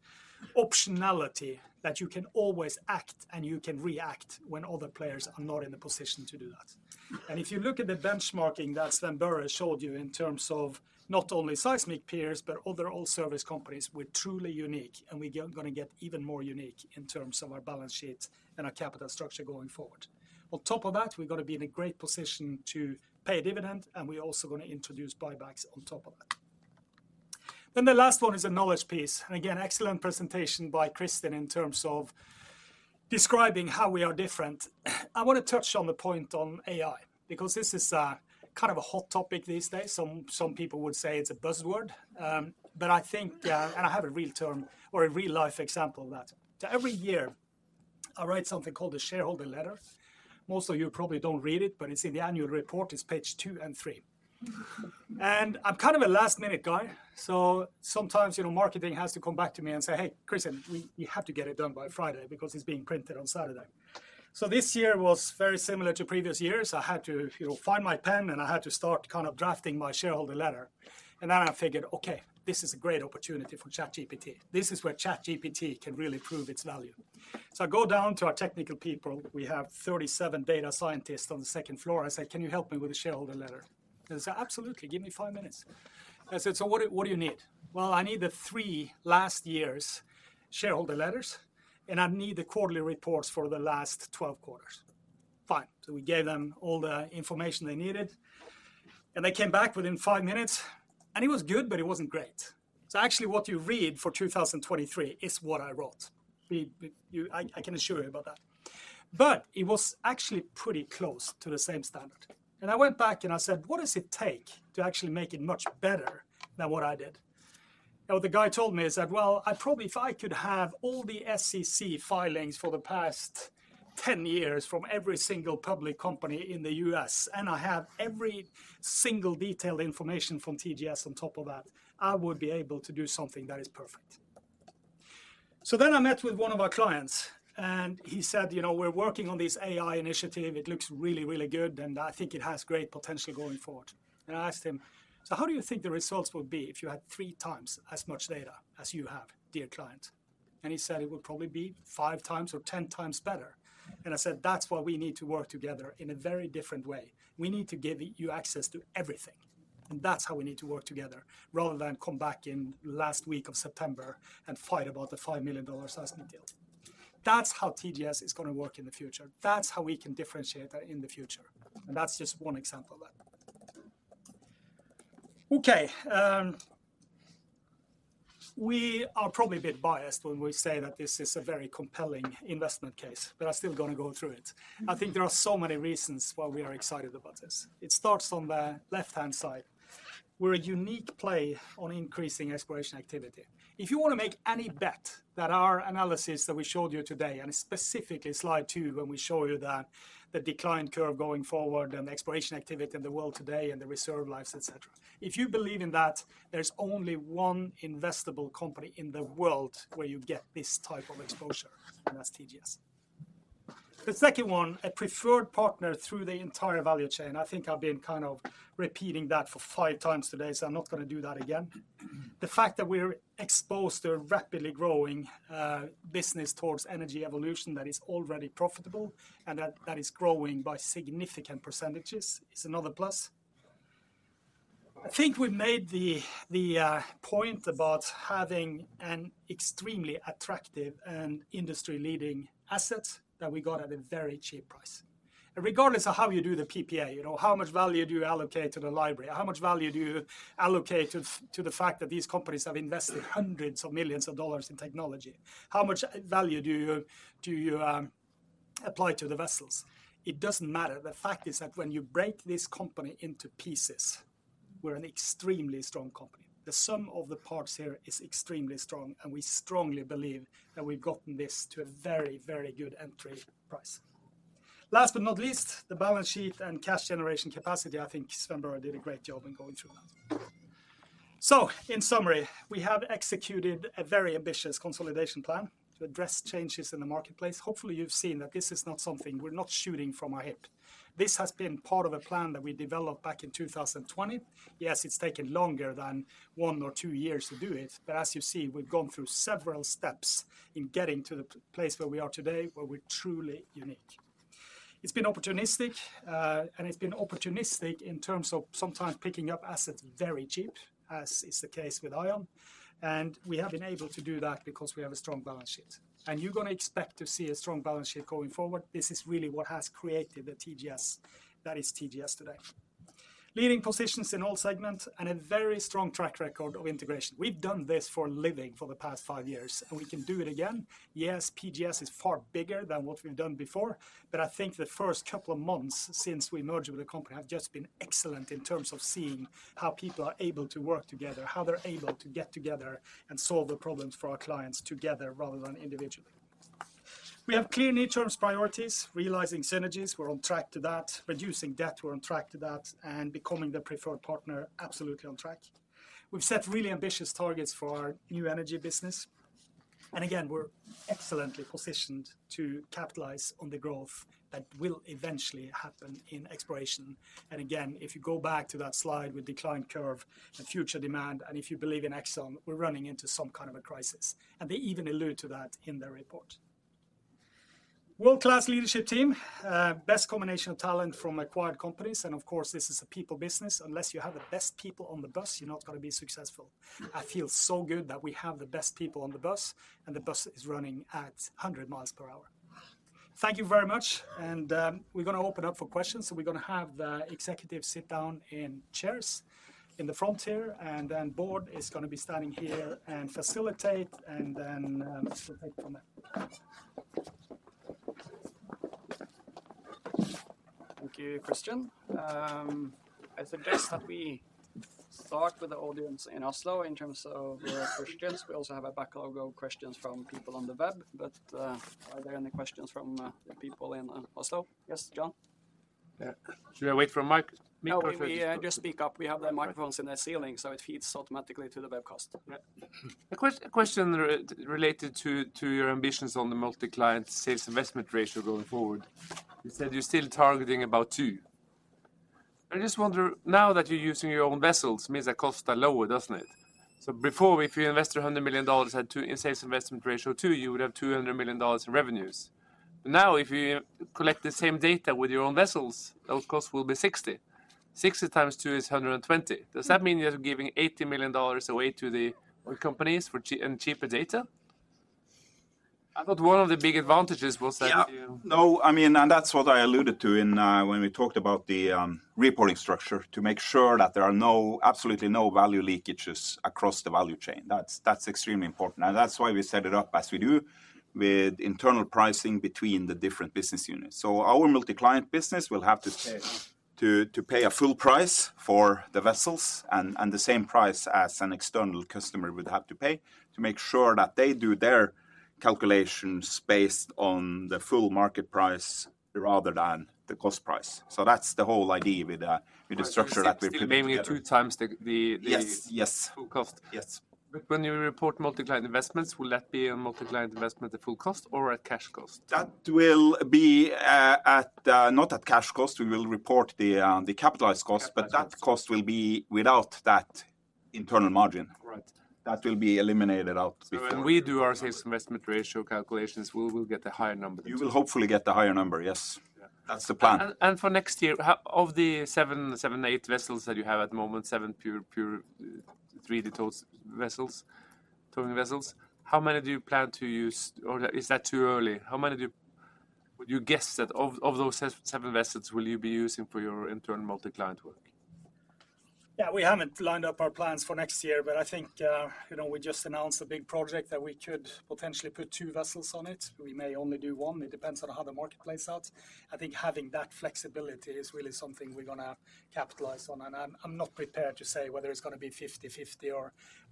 optionality that you can always act and you can react when other players are not in a position to do that, and if you look at the benchmarking that Sven Børre showed you in terms of not only seismic peers, but other oil service companies, we're truly unique, and we're gonna get even more unique in terms of our balance sheet and our capital structure going forward. On top of that, we're gonna be in a great position to pay a dividend, and we're also gonna introduce buybacks on top of that. Then the last one is a knowledge piece, and again, excellent presentation by Kristin in terms of describing how we are different. I wanna touch on the point on AI, because this is kind of a hot topic these days. Some people would say it's a buzzword. But I think, and I have a real-time or a real-life example of that. So every year, I write something called a shareholder letter. Most of you probably don't read it, but it's in the annual report, it's page two and three. I'm kind of a last-minute guy, so sometimes, you know, marketing has to come back to me and say, "Hey, Kristian, we have to get it done by Friday because it's being printed on Saturday." This year was very similar to previous years. I had to, you know, find my pen, and I had to start kind of drafting my shareholder letter, and then I figured, "Okay, this is a great opportunity for ChatGPT. This is where ChatGPT can really prove its value." I go down to our technical people. We have 37 data scientists on the second floor. I said, "Can you help me with the shareholder letter?" They said, "Absolutely, give me 5 minutes." I said, "What do you need? I need the three last year's shareholder letters, and I need the quarterly reports for the last twelve quarters." "Fine." So we gave them all the information they needed, and they came back within five minutes, and it was good, but it wasn't great. So actually, what you read for 2023 is what I wrote. I can assure you about that. But it was actually pretty close to the same standard. I went back and I said, "What does it take to actually make it much better than what I did?" Now, the guy told me, he said, "Well, I probably if I could have all the SEC filings for the past ten years from every single public company in the U.S., and I have every single detailed information from TGS on top of that, I would be able to do something that is perfect." So then I met with one of our clients, and he said, "You know, we're working on this AI initiative. It looks really, really good, and I think it has great potential going forward." And I asked him, "So how do you think the results would be if you had three times as much data as you have, dear client?" And he said, "It would probably be five times or ten times better." And I said, "That's why we need to work together in a very different way. We need to give you access to everything, and that's how we need to work together, rather than come back in last week of September and fight about the $5 million seismic deal." That's how TGS is gonna work in the future. That's how we can differentiate that in the future, and that's just one example of that. Okay, we are probably a bit biased when we say that this is a very compelling investment case, but I'm still gonna go through it. I think there are so many reasons why we are excited about this. It starts on the left-hand side. We're a unique play on increasing exploration activity. If you wanna make any bet that our analysis that we showed you today, and specifically slide two, when we show you that the decline curve going forward and the exploration activity in the world today and the reserve lives, et cetera. If you believe in that, there's only one investable company in the world where you get this type of exposure, and that's TGS. The second one, a preferred partner through the entire value chain. I think I've been kind of repeating that for five times today, so I'm not gonna do that again. The fact that we're exposed to a rapidly growing business towards energy evolution that is already profitable, and that is growing by significant percentages, is another plus. I think we made the point about having an extremely attractive and industry-leading assets that we got at a very cheap price. And regardless of how you do the PPA, you know, how much value do you allocate to the library? How much value do you allocate to the fact that these companies have invested hundreds of millions of dollars in technology? How much value do you apply to the vessels? It doesn't matter. The fact is that when you break this company into pieces, we're an extremely strong company. The sum of the parts here is extremely strong, and we strongly believe that we've gotten this to a very, very good entry price. Last but not least, the balance sheet and cash generation capacity. I think Sven Børre did a great job in going through that. In summary, we have executed a very ambitious consolidation plan to address changes in the marketplace. Hopefully, you've seen that this is not something. We're not shooting from our hip. This has been part of a plan that we developed back in 2020. Yes, it's taken longer than one or two years to do it, but as you see, we've gone through several steps in getting to the place where we are today, where we're truly unique. It's been opportunistic, and it's been opportunistic in terms of sometimes picking up assets very cheap, as is the case with ION, and we have been able to do that because we have a strong balance sheet. You're gonna expect to see a strong balance sheet going forward. This is really what has created a TGS, that is TGS today. Leading positions in all segments and a very strong track record of integration. We've done this for a living for the past five years, and we can do it again. Yes, PGS is far bigger than what we've done before, but I think the first couple of months since we merged with the company have just been excellent in terms of seeing how people are able to work together, how they're able to get together and solve the problems for our clients together, rather than individually. We have clear near-term priorities, realizing synergies. We're on track to that. Reducing debt, we're on track to that, and becoming the preferred partner, absolutely on track. We've set really ambitious targets for our New Energy business, and again, we're excellently positioned to capitalize on the growth that will eventually happen in exploration. And again, if you go back to that slide with decline curve and future demand, and if you believe in Exxon, we're running into some kind of a crisis, and they even allude to that in their report. World-class leadership team, best combination of talent from acquired companies, and of course, this is a people business. Unless you have the best people on the bus, you're not gonna be successful. I feel so good that we have the best people on the bus, and the bus is running at 100 mi per hour. Thank you very much, and we're gonna open up for questions. So we're gonna have the executives sit down in chairs in the front here, and then board is gonna be standing here and facilitate, and then, we'll take from there. Thank you, Kristian. I suggest that we start with the audience in Oslo in terms of your questions. We also have a backlog of questions from people on the web, but are there any questions from the people in Oslo? Yes, John? Yeah. Should I wait for a mic, microphone? No, we just speak up. We have the microphones- Okay in the ceiling, so it feeds automatically to the webcast. Yeah. A question related to your ambitions on the Multi-Client sales investment ratio going forward. You said you're still targeting about two. I just wonder, now that you're using your own vessels, means that costs are lower, doesn't it? So before, if you invest $100 million at two, in sales investment ratio two, you would have $200 million in revenues. Now, if you collect the same data with your own vessels, those costs will be $60 million. $60 million x2 is $120 million. Does that mean you're giving $80 million away to the oil companies for cheaper data? I thought one of the big advantages was that you- Yeah. No, I mean, and that's what I alluded to in when we talked about the reporting structure, to make sure that there are no, absolutely no value leakages across the value chain. That's, that's extremely important, and that's why we set it up as we do with internal pricing between the different business units. So our Multi-Client business will have to pay a full price for the vessels and the same price as an external customer would have to pay, to make sure that they do their calculations based on the full market price rather than the cost price. So that's the whole idea with the structure that we put together. Still aiming at two times the Yes, yes full cost? Yes. But when you report Multi-Client investments, will that be a Multi-Client investment at full cost or at cash cost? That will be at, not at cash cost. We will report the capitalized cost. but that cost will be without that internal margin. Right. That will be eliminated out before. So when we do our sales investment ratio calculations, we will get a higher number. You will hopefully get the higher number, yes. Yeah. That's the plan. For next year, how many of the seven or eight vessels that you have at the moment, seven pure 3D towing vessels, do you plan to use? Or is that too early? How many would you guess that of those seven vessels will you be using for your internal Multi-Client work? Yeah, we haven't lined up our plans for next year, but I think, you know, we just announced a big project that we could potentially put two vessels on it. We may only do one. It depends on how the market plays out. I think having that flexibility is really something we're gonna capitalize on, and I'm not prepared to say whether it's gonna be 50/50 or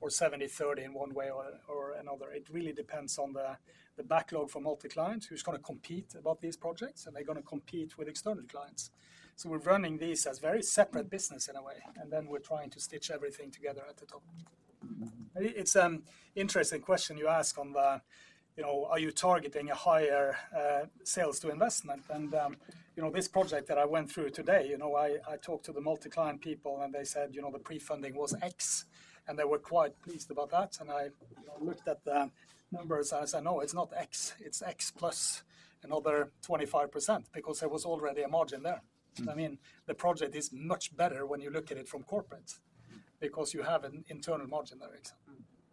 70/30 in one way or another. It really depends on the backlog for Multi-Client, who's gonna compete about these projects, and they're gonna compete with external clients. So we're running these as very separate business in a way, and then we're trying to stitch everything together at the top. It's interesting question you ask on the, you know, are you targeting a higher sales to investment? You know, this project that I went through today, you know, I talked to the Multi-Client people, and they said, "You know, the pre-funding was X," and they were quite pleased about that. I looked at the numbers, and I said, "No, it's not X, it's X plus another 25%," because there was already a margin there. Mm. I mean, the project is much better when you look at it from corporate because you have an internal margin there, Exxon.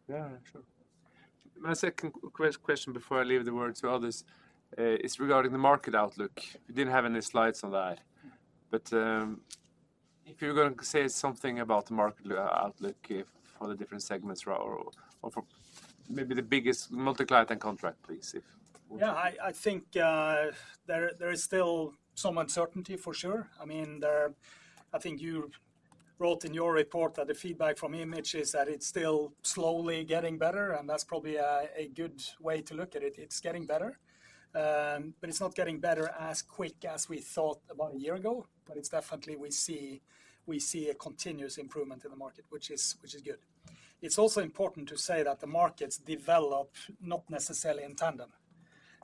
Yeah, sure. My second question before I leave the word to others is regarding the market outlook. You didn't have any slides on that, but if you're going to say something about the market outlook, if for the different segments or, or for maybe the biggest Multi-Client and contract, please, if. Yeah, I think there is still some uncertainty, for sure. I mean, I think you wrote in your report that the feedback from IMAGE is that it's still slowly getting better, and that's probably a good way to look at it. It's getting better, but it's not getting better as quick as we thought about a year ago, but it's definitely we see a continuous improvement in the market, which is good. It's also important to say that the markets develop not necessarily in tandem,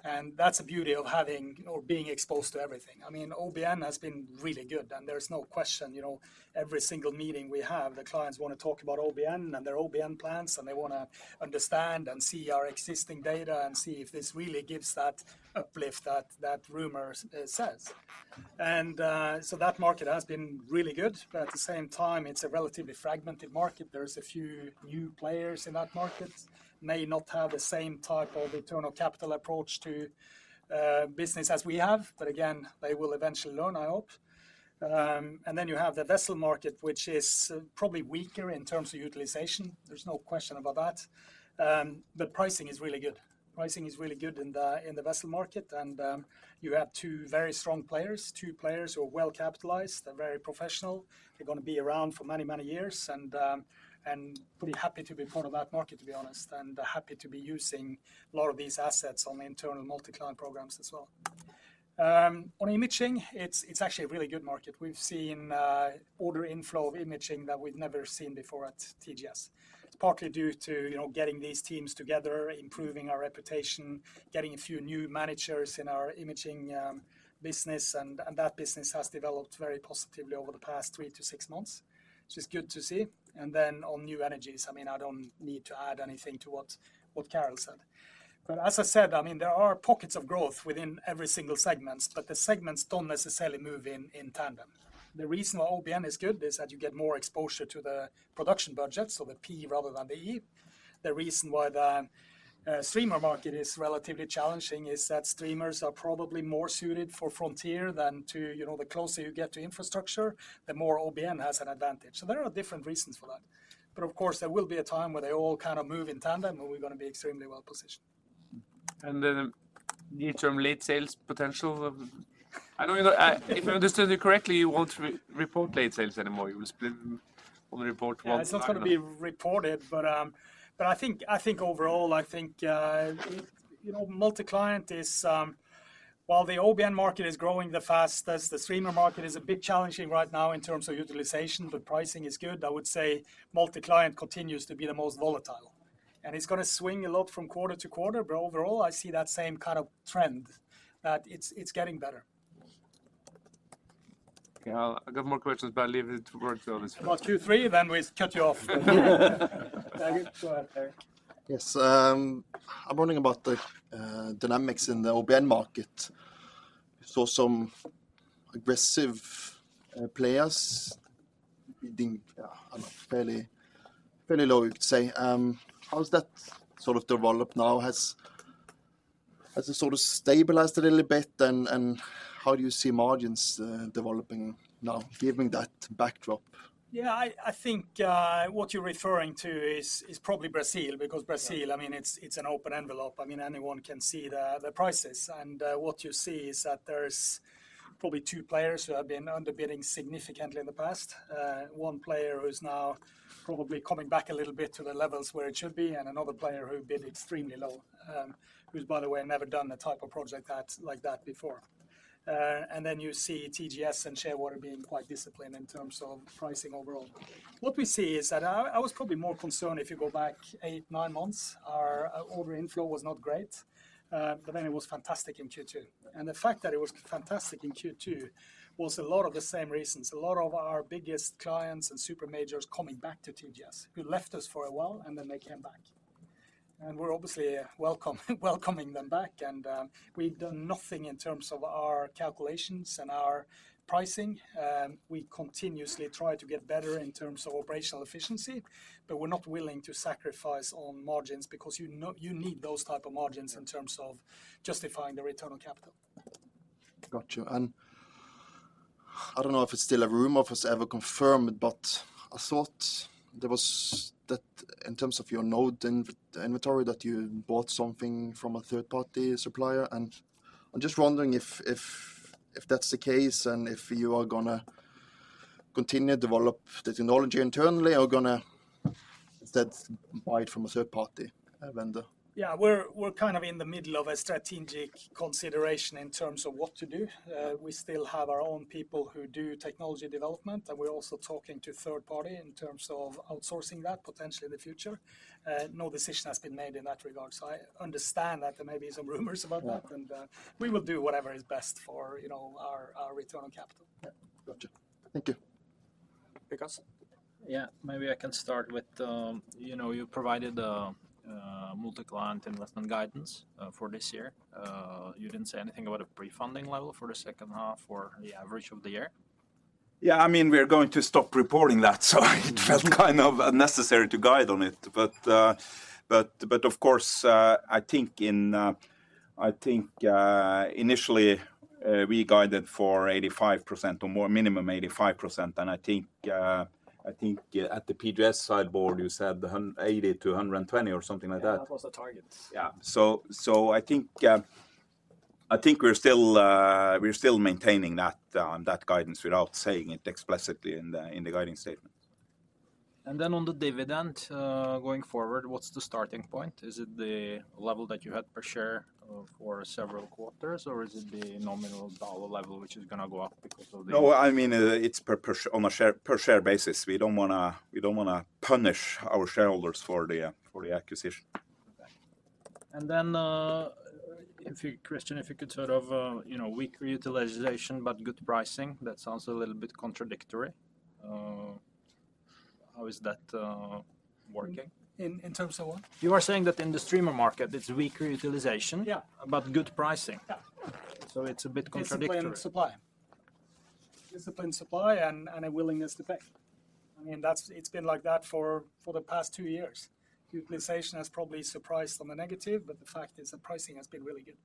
and that's the beauty of having or being exposed to everything. I mean, OBN has been really good, and there's no question, you know, every single meeting we have, the clients wanna talk about OBN and their OBN plans, and they wanna understand and see our existing data and see if this really gives that uplift that rumor says. And so that market has been really good, but at the same time, it's a relatively fragmented market. There's a few new players in that market, may not have the same type of internal capital approach to business as we have, but again, they will eventually learn, I hope. And then you have the vessel market, which is probably weaker in terms of utilization. There's no question about that. But pricing is really good. Pricing is really good in the, in the vessel market, and you have two very strong players, two players who are well-capitalized. They're very professional. They're gonna be around for many, many years and, and pretty happy to be part of that market, to be honest, and happy to be using a lot of these assets on the internal Multi-Client programs as well. On imaging, it's, it's actually a really good market. We've seen order inflow of imaging that we've never seen before at TGS. It's partly due to, you know, getting these teams together, improving our reputation, getting a few new managers in our imaging, business, and, and that business has developed very positively over the past three to six months, which is good to see. Then on new energies, I mean, I don't need to add anything to what, what Carel said. But as I said, I mean, there are pockets of growth within every single segments, but the segments don't necessarily move in tandem. The reason why OBN is good is that you get more exposure to the production budget, so the P rather than the E. The reason why the streamer market is relatively challenging is that streamers are probably more suited for frontier than to you know, the closer you get to infrastructure, the more OBN has an advantage. So there are different reasons for that. But of course, there will be a time where they all kind of move in tandem, and we're gonna be extremely well-positioned. The near-term late sales potential of- I know, you know, if I understood you correctly, you won't report late sales anymore. You will split them on the report once- Yeah, it's not gonna be reported, but I think overall, I think, you know, Multi-Client is while the OBN market is growing the fastest, the streamer market is a bit challenging right now in terms of utilization, but pricing is good. I would say Multi-Client continues to be the most volatile. And it's gonna swing a lot from quarter to quarter, but overall, I see that same kind of trend, that it's getting better. Okay, I've got more questions, but I'll leave it to work on this. About two, three, then we cut you off. Go ahead, Perry. Yes, I'm wondering about the dynamics in the OBN market. Saw some aggressive players bidding, I don't know, fairly low, you'd say. How does that sort of develop now? Has it sort of stabilized a little bit, and how do you see margins developing now, given that backdrop? Yeah, I think what you're referring to is probably Brazil, because Brazil- Yeah I mean, it's an open envelope. I mean, anyone can see the prices, and what you see is that there's probably two players who have been underbidding significantly in the past. One player who's now probably coming back a little bit to the levels where it should be, and another player who bid extremely low, who's, by the way, never done a type of project that like that before, and then you see TGS and Shearwater being quite disciplined in terms of pricing overall. What we see is that. I was probably more concerned if you go back eight, nine months. Our order inflow was not great, but then it was fantastic in Q2. And the fact that it was fantastic in Q2 was a lot of the same reasons, a lot of our biggest clients and super majors coming back to TGS, who left us for a while, and then they came back. And we're obviously welcoming them back, and we've done nothing in terms of our calculations and our pricing. We continuously try to get better in terms of operational efficiency, but we're not willing to sacrifice on margins because you need those type of margins in terms of justifying the return on capital. Got you. And I don't know if it's still a rumor or if it's ever confirmed, but I thought there was that in terms of your node inventory, that you bought something from a third-party supplier, and I'm just wondering if that's the case, and if you are gonna continue to develop the technology internally or gonna instead buy it from a third-party vendor? Yeah, we're kind of in the middle of a strategic consideration in terms of what to do. We still have our own people who do technology development, and we're also talking to third party in terms of outsourcing that potentially in the future. No decision has been made in that regard, so I understand that there may be some rumors about that. Yeah. We will do whatever is best for, you know, our return on capital. Yeah. Gotcha. Thank you. Vikas? Yeah, maybe I can start with, you know, you provided a Multi-Client investment guidance for this year. You didn't say anything about a pre-funding level for the second half or the average of the year? Yeah, I mean, we're going to stop reporting that, so it felt kind of unnecessary to guide on it. But, of course, I think initially, we guided for 85% or more, minimum 85%. And I think at the PGS side, Børre you said 80%-120% or something like that. Yeah, that was the target. Yeah. So, I think we're still maintaining that guidance without saying it explicitly in the guiding statement. And then on the dividend, going forward, what's the starting point? Is it the level that you had per share, for several quarters, or is it the nominal dollar level, which is gonna go up because of the- No, I mean, it's per share, on a per share basis. We don't wanna punish our shareholders for the acquisition. Okay. And then, if you, Kristian, if you could sort of, you know, weaker utilization but good pricing, that sounds a little bit contradictory. How is that working? In terms of what? You are saying that in the streamer market, it's weaker utilization- Yeah but good pricing. Yeah. It's a bit contradictory. Disciplined supply and a willingness to pay. I mean, that's it's been like that for the past two years. Utilization has probably surprised on the negative, but the fact is that pricing has been really good.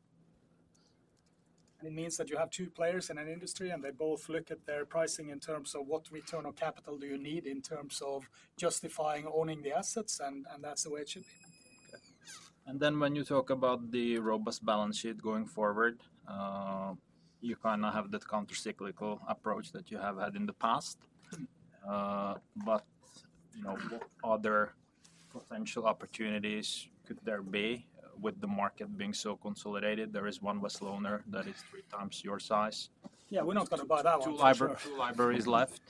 And it means that you have two players in an industry, and they both look at their pricing in terms of what return on capital do you need in terms of justifying owning the assets, and that's the way it should be. Okay. And then when you talk about the robust balance sheet going forward, you kind of have that countercyclical approach that you have had in the past. You know, what other potential opportunities could there be with the market being so consolidated? There is one less owner that is three times your size. Yeah, we're not gonna buy that one. Two libraries left.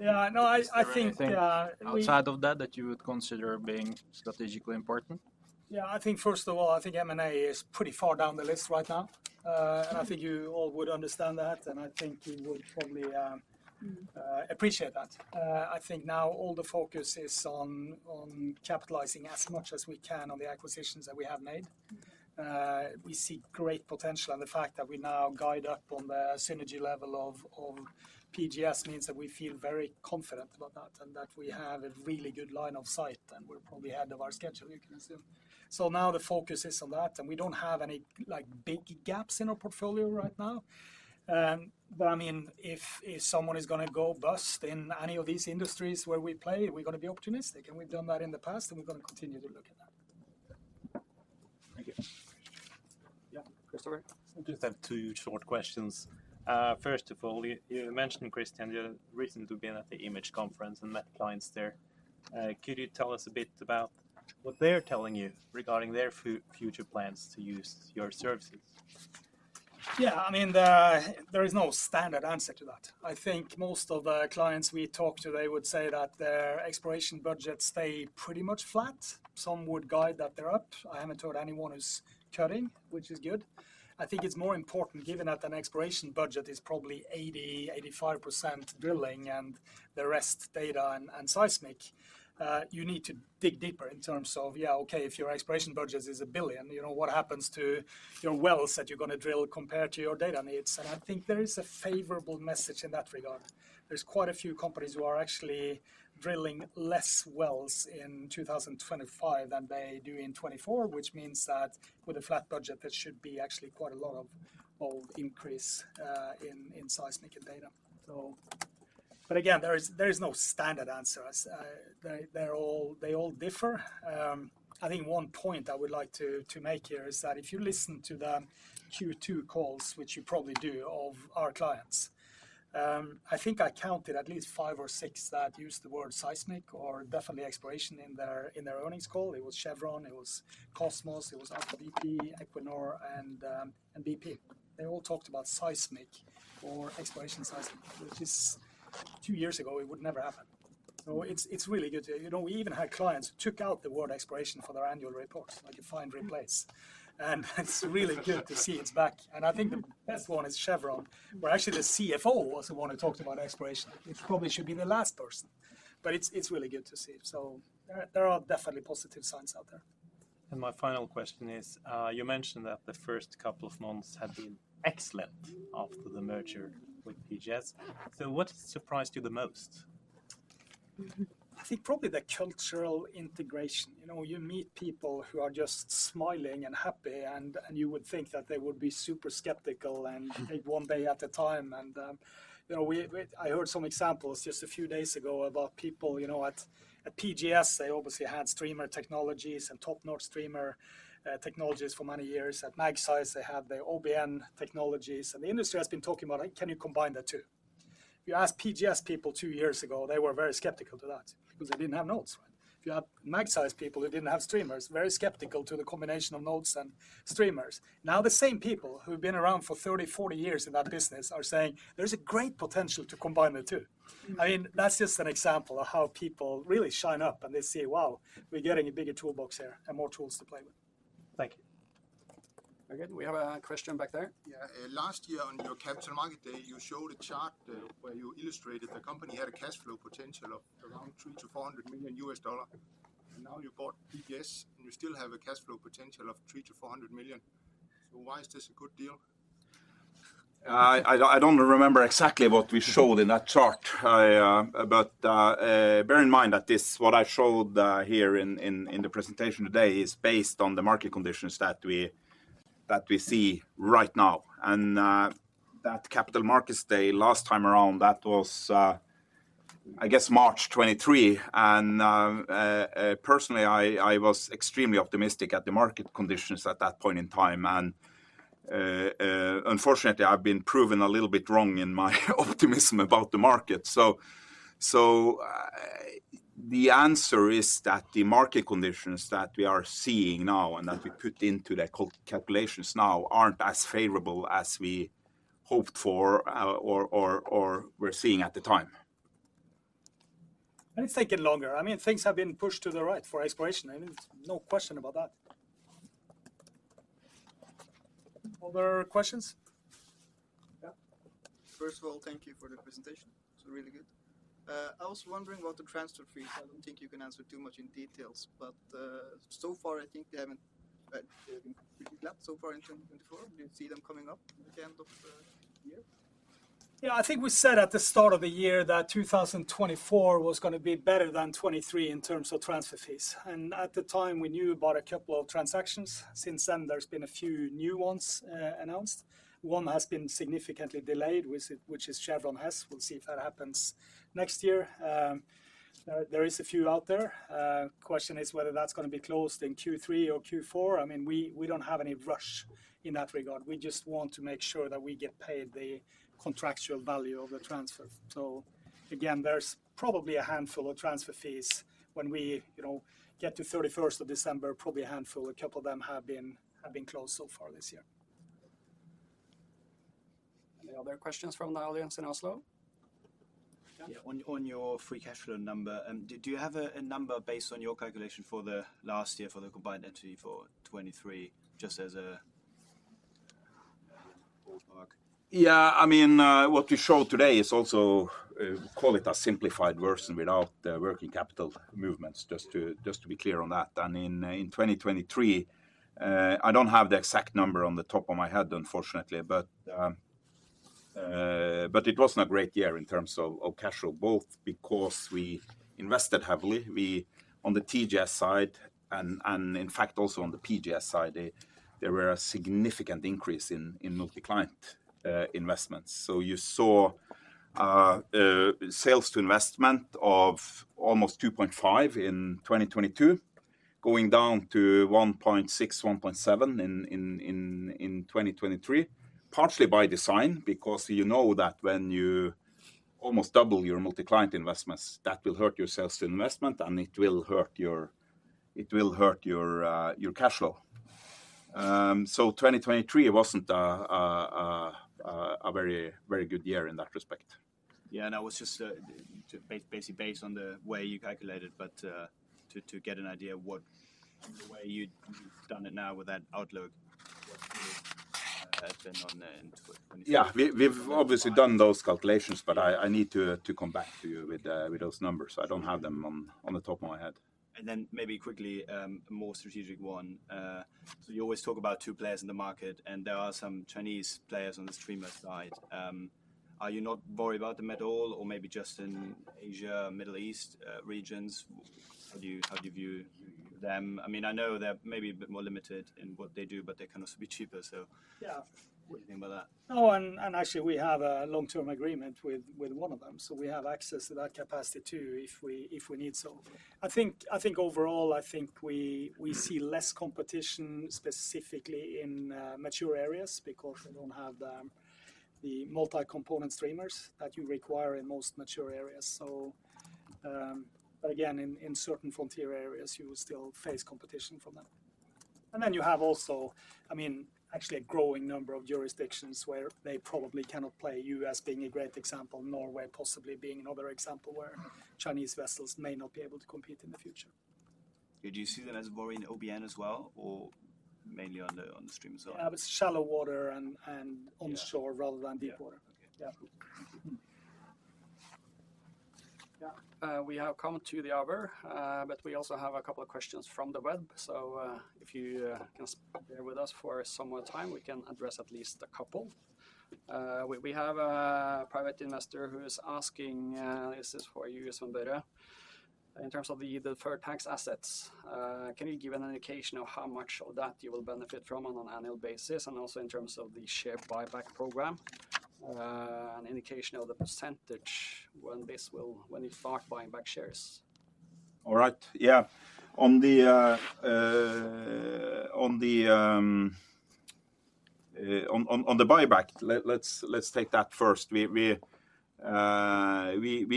Yeah, no, I think we- Is there anything outside of that, that you would consider being strategically important? Yeah, I think first of all, I think M&A is pretty far down the list right now. And I think you all would understand that, and I think you would probably appreciate that. I think now all the focus is on capitalizing as much as we can on the acquisitions that we have made. We see great potential, and the fact that we now guide up on the synergy level of PGS means that we feel very confident about that, and that we have a really good line of sight, and we're probably ahead of our schedule, you can assume. So now the focus is on that, and we don't have any, like, big gaps in our portfolio right now. But I mean, if someone is gonna go bust in any of these industries where we play, we're gonna be optimistic, and we've done that in the past, and we're gonna continue to look at that. Thank you. Yeah, Christopher? I just have two short questions. First of all, you mentioned, Kristian, you recently been at the IMAGE conference and met clients there. Could you tell us a bit about what they're telling you regarding their future plans to use your services? Yeah, I mean, there is no standard answer to that. I think most of the clients we talked to, they would say that their exploration budgets stay pretty much flat. Some would guide that they're up. I haven't heard anyone who's cutting, which is good. I think it's more important, given that an exploration budget is probably 80%-85% drilling, and the rest data and seismic. You need to dig deeper in terms of if your exploration budget is $1 billion, you know, what happens to your wells that you're gonna drill compared to your data needs? And I think there is a favorable message in that regard. There's quite a few companies who are actually drilling less wells in 2025 than they do in 2024, which means that with a flat budget, there should be actually quite a lot of increase in seismic and data. But again, there is no standard answer as they all differ. I think one point I would like to make here is that if you listen to the Q2 calls, which you probably do, of our clients, I think I counted at least five or six that used the word seismic or definitely exploration in their earnings call. It was Chevron, it was Kosmos, it was Aker BP, Equinor, and BP. They all talked about seismic or exploration seismic, which, two years ago, would never happen. It's really good. You know, we even had clients who took out the word exploration for their annual report, like you find, replace. And it's really good to see it's back. And I think the best one is Chevron, where actually the CFO was the one who talked about exploration. It probably should be the last person, but it's really good to see. So there are definitely positive signs out there. My final question is, you mentioned that the first couple of months had been excellent after the merger with PGS. What surprised you the most? I think probably the cultural integration. You know, you meet people who are just smiling and happy, and you would think that they would be super skeptical and- Mm Take one day at a time, and you know, I heard some examples just a few days ago about people, you know, at PGS, they obviously had streamer technologies and top-notch streamer technologies for many years. At Magseis, they had their OBN technologies, and the industry has been talking about, "Can you combine the two?" If you asked PGS people two years ago, they were very skeptical to that because they didn't have nodes, right? If you asked Magseis people, they didn't have streamers, very skeptical to the combination of nodes and streamers. Now, the same people who've been around for 30, 40 years in that business are saying, "There's a great potential to combine the two. Mm. I mean, that's just an example of how people really line up and they say, "Wow, we're getting a bigger toolbox here and more tools to play with. Thank you. Again, we have a question back there. Yeah, last year on your Capital Markets Day, you showed a chart, where you illustrated the company had a cash flow potential of around $300 million-$400 million. And now you bought PGS, and you still have a cash flow potential of $300 million-$400 million. So why is this a good deal? I don't remember exactly what we showed in that chart. But bear in mind that this, what I showed, here in the presentation today, is based on the market conditions that we see right now. That Capital Markets Day last time around was, I guess, March 2023. Personally, I was extremely optimistic at the market conditions at that point in time, and unfortunately, I've been proven a little bit wrong in my optimism about the market. The answer is that the market conditions that we are seeing now and that we put into the calculations now aren't as favorable as we hoped for, or were seeing at the time. And it's taking longer. I mean, things have been pushed to the right for exploration. I mean, no question about that. Other questions? Yeah. First of all, thank you for the presentation. It was really good. I was wondering about the transfer fees. I don't think you can answer too much in details, but, so far, I think they haven't, they've been pretty flat so far in 2024. Do you see them coming up at the end of, the year? Yeah, I think we said at the start of the year that 2024 was gonna be better than 2023 in terms of transfer fees, and at the time, we knew about a couple of transactions. Since then, there's been a few new ones announced. One has been significantly delayed, which is Chevron Hess. We'll see if that happens next year. There is a few out there. Question is whether that's gonna be closed in Q3 or Q4. I mean, we don't have any rush in that regard. We just want to make sure that we get paid the contractual value of the transfer. So again, there's probably a handful of transfer fees when we, you know, get to 31st of December, probably a handful. A couple of them have been closed so far this year. Any other questions from the audience in Oslo? Yeah, on your free cash flow number, did you have a number based on your calculation for the last year for the combined entity for 2023, just as a ballpark? Yeah, I mean, what we showed today is also, call it a simplified version without the working capital movements, just to be clear on that, and in 2023, I don't have the exact number on the top of my head, unfortunately. But it was not a great year in terms of cash flow, both because we invested heavily on the TGS side and, in fact, also on the PGS side, there were a significant increase in Multi-Client investments. So you saw sales to investment of almost 2.5 in 2022, going down to 1.6, 1.7 in 2023. Partially by design, because you know that when you almost double your Multi-Client investments, that will hurt your sales to investment, and it will hurt your cash flow. So 2023 wasn't a very good year in that respect. Yeah, and I was just to basically based on the way you calculate it, but to get an idea of what the way you, you've done it now with that outlook, what would have been on there in 2024? Yeah, we've obviously done those calculations, but I need to come back to you with those numbers. I don't have them on the top of my head. And then maybe quickly, a more strategic one. So you always talk about two players in the market, and there are some Chinese players on the streamer side. Are you not worried about them at all, or maybe just in Asia, Middle East, regions? How do you view them? I mean, I know they're maybe a bit more limited in what they do, but they can also be cheaper, so- Yeah What do you think about that? Actually, we have a long-term agreement with one of them, so we have access to that capacity, too, if we need so. I think overall, we see less competition, specifically in mature areas, because they don't have the multi-component streamers that you require in most mature areas. So, but again, in certain frontier areas, you will still face competition from them. And then you have also, I mean, actually a growing number of jurisdictions where they probably cannot play, U.S. being a great example, Norway possibly being another example where Chinese vessels may not be able to compete in the future. Do you see that as worry in OBN as well, or mainly on the streamer side? Yeah, but it's shallow water and onshore rather than deep water. Yeah. Yeah. Yeah, we have come to the hour, but we also have a couple of questions from the web. So, if you can stay with us for some more time, we can address at least a couple. We have a private investor who is asking, this is for you, Sven Børre, "In terms of the deferred tax assets, can you give an indication of how much of that you will benefit from on an annual basis? And also in terms of the share buyback program, an indication of the percentage when this will--when you start buying back shares? All right. Yeah. On the buyback, let's take that first. We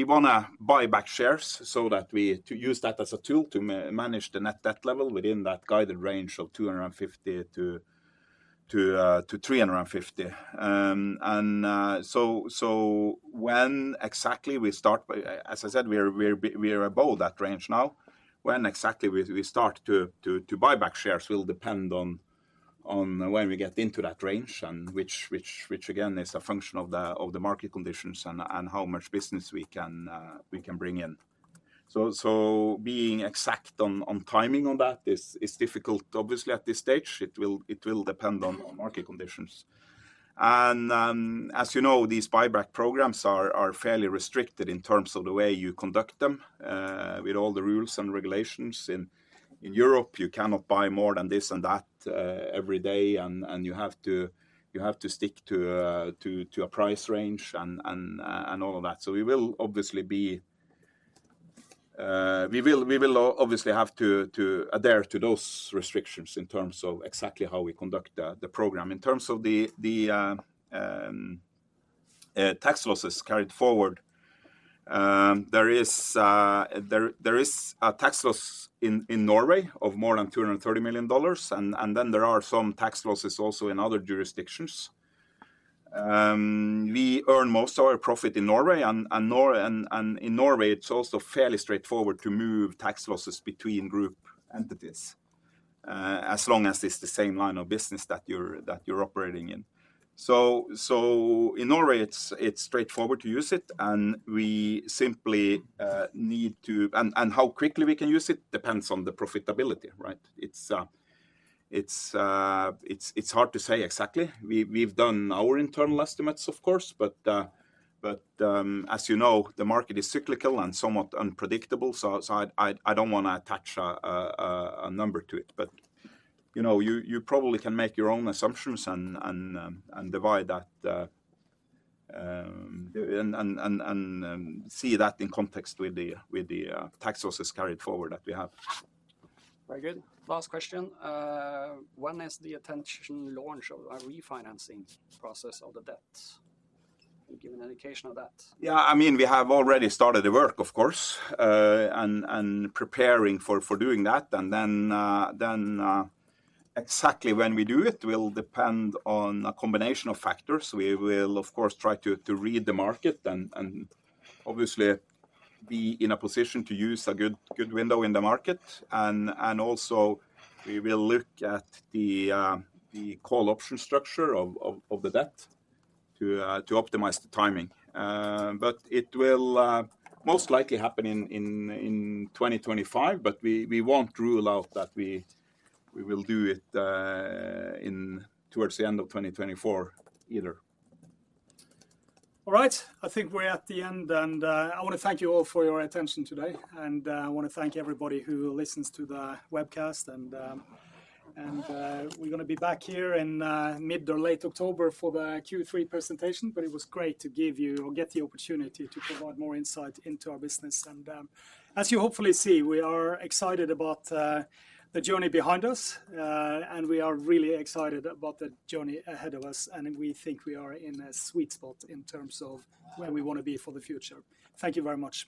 wanna buy back shares so that to use that as a tool to manage the net debt level within that guided range of $250-$350, and so when exactly we start, but as I said, we are above that range now. When exactly we start to buy back shares will depend on when we get into that range, and which again is a function of the market conditions and how much business we can bring in, so being exact on timing on that is difficult. Obviously, at this stage, it will depend on market conditions. As you know, these buyback programs are fairly restricted in terms of the way you conduct them, with all the rules and regulations. In Europe, you cannot buy more than this and that, every day, and you have to stick to a price range and all of that. We will obviously have to adhere to those restrictions in terms of exactly how we conduct the program. In terms of the tax losses carried forward, there is a tax loss in Norway of more than $230 million, and then there are some tax losses also in other jurisdictions. We earn most of our profit in Norway, and in Norway, it's also fairly straightforward to move tax losses between group entities, as long as it's the same line of business that you're operating in. So in Norway, it's straightforward to use it, and we simply need to. How quickly we can use it depends on the profitability, right? It's hard to say exactly. We've done our internal estimates, of course, but as you know, the market is cyclical and somewhat unpredictable, so I don't wanna attach a number to it. But, you know, you probably can make your own assumptions and divide that and see that in context with the tax losses carried forward that we have. Very good. Last question. "When is the intended launch of a refinancing process of the debt? Can you give an indication of that? Yeah, I mean, we have already started the work, of course, and preparing for doing that, and then exactly when we do it will depend on a combination of factors. We will, of course, try to read the market and obviously be in a position to use a good window in the market. And also, we will look at the call option structure of the debt to optimize the timing. But it will most likely happen in 2025, but we won't rule out that we will do it in towards the end of 2024 either. All right, I think we're at the end, and I wanna thank you all for your attention today. And I wanna thank everybody who listens to the webcast. And we're gonna be back here in mid or late October for the Q3 presentation, but it was great to give you or get the opportunity to provide more insight into our business. And as you hopefully see, we are excited about the journey behind us, and we are really excited about the journey ahead of us, and we think we are in a sweet spot in terms of where we wanna be for the future. Thank you very much.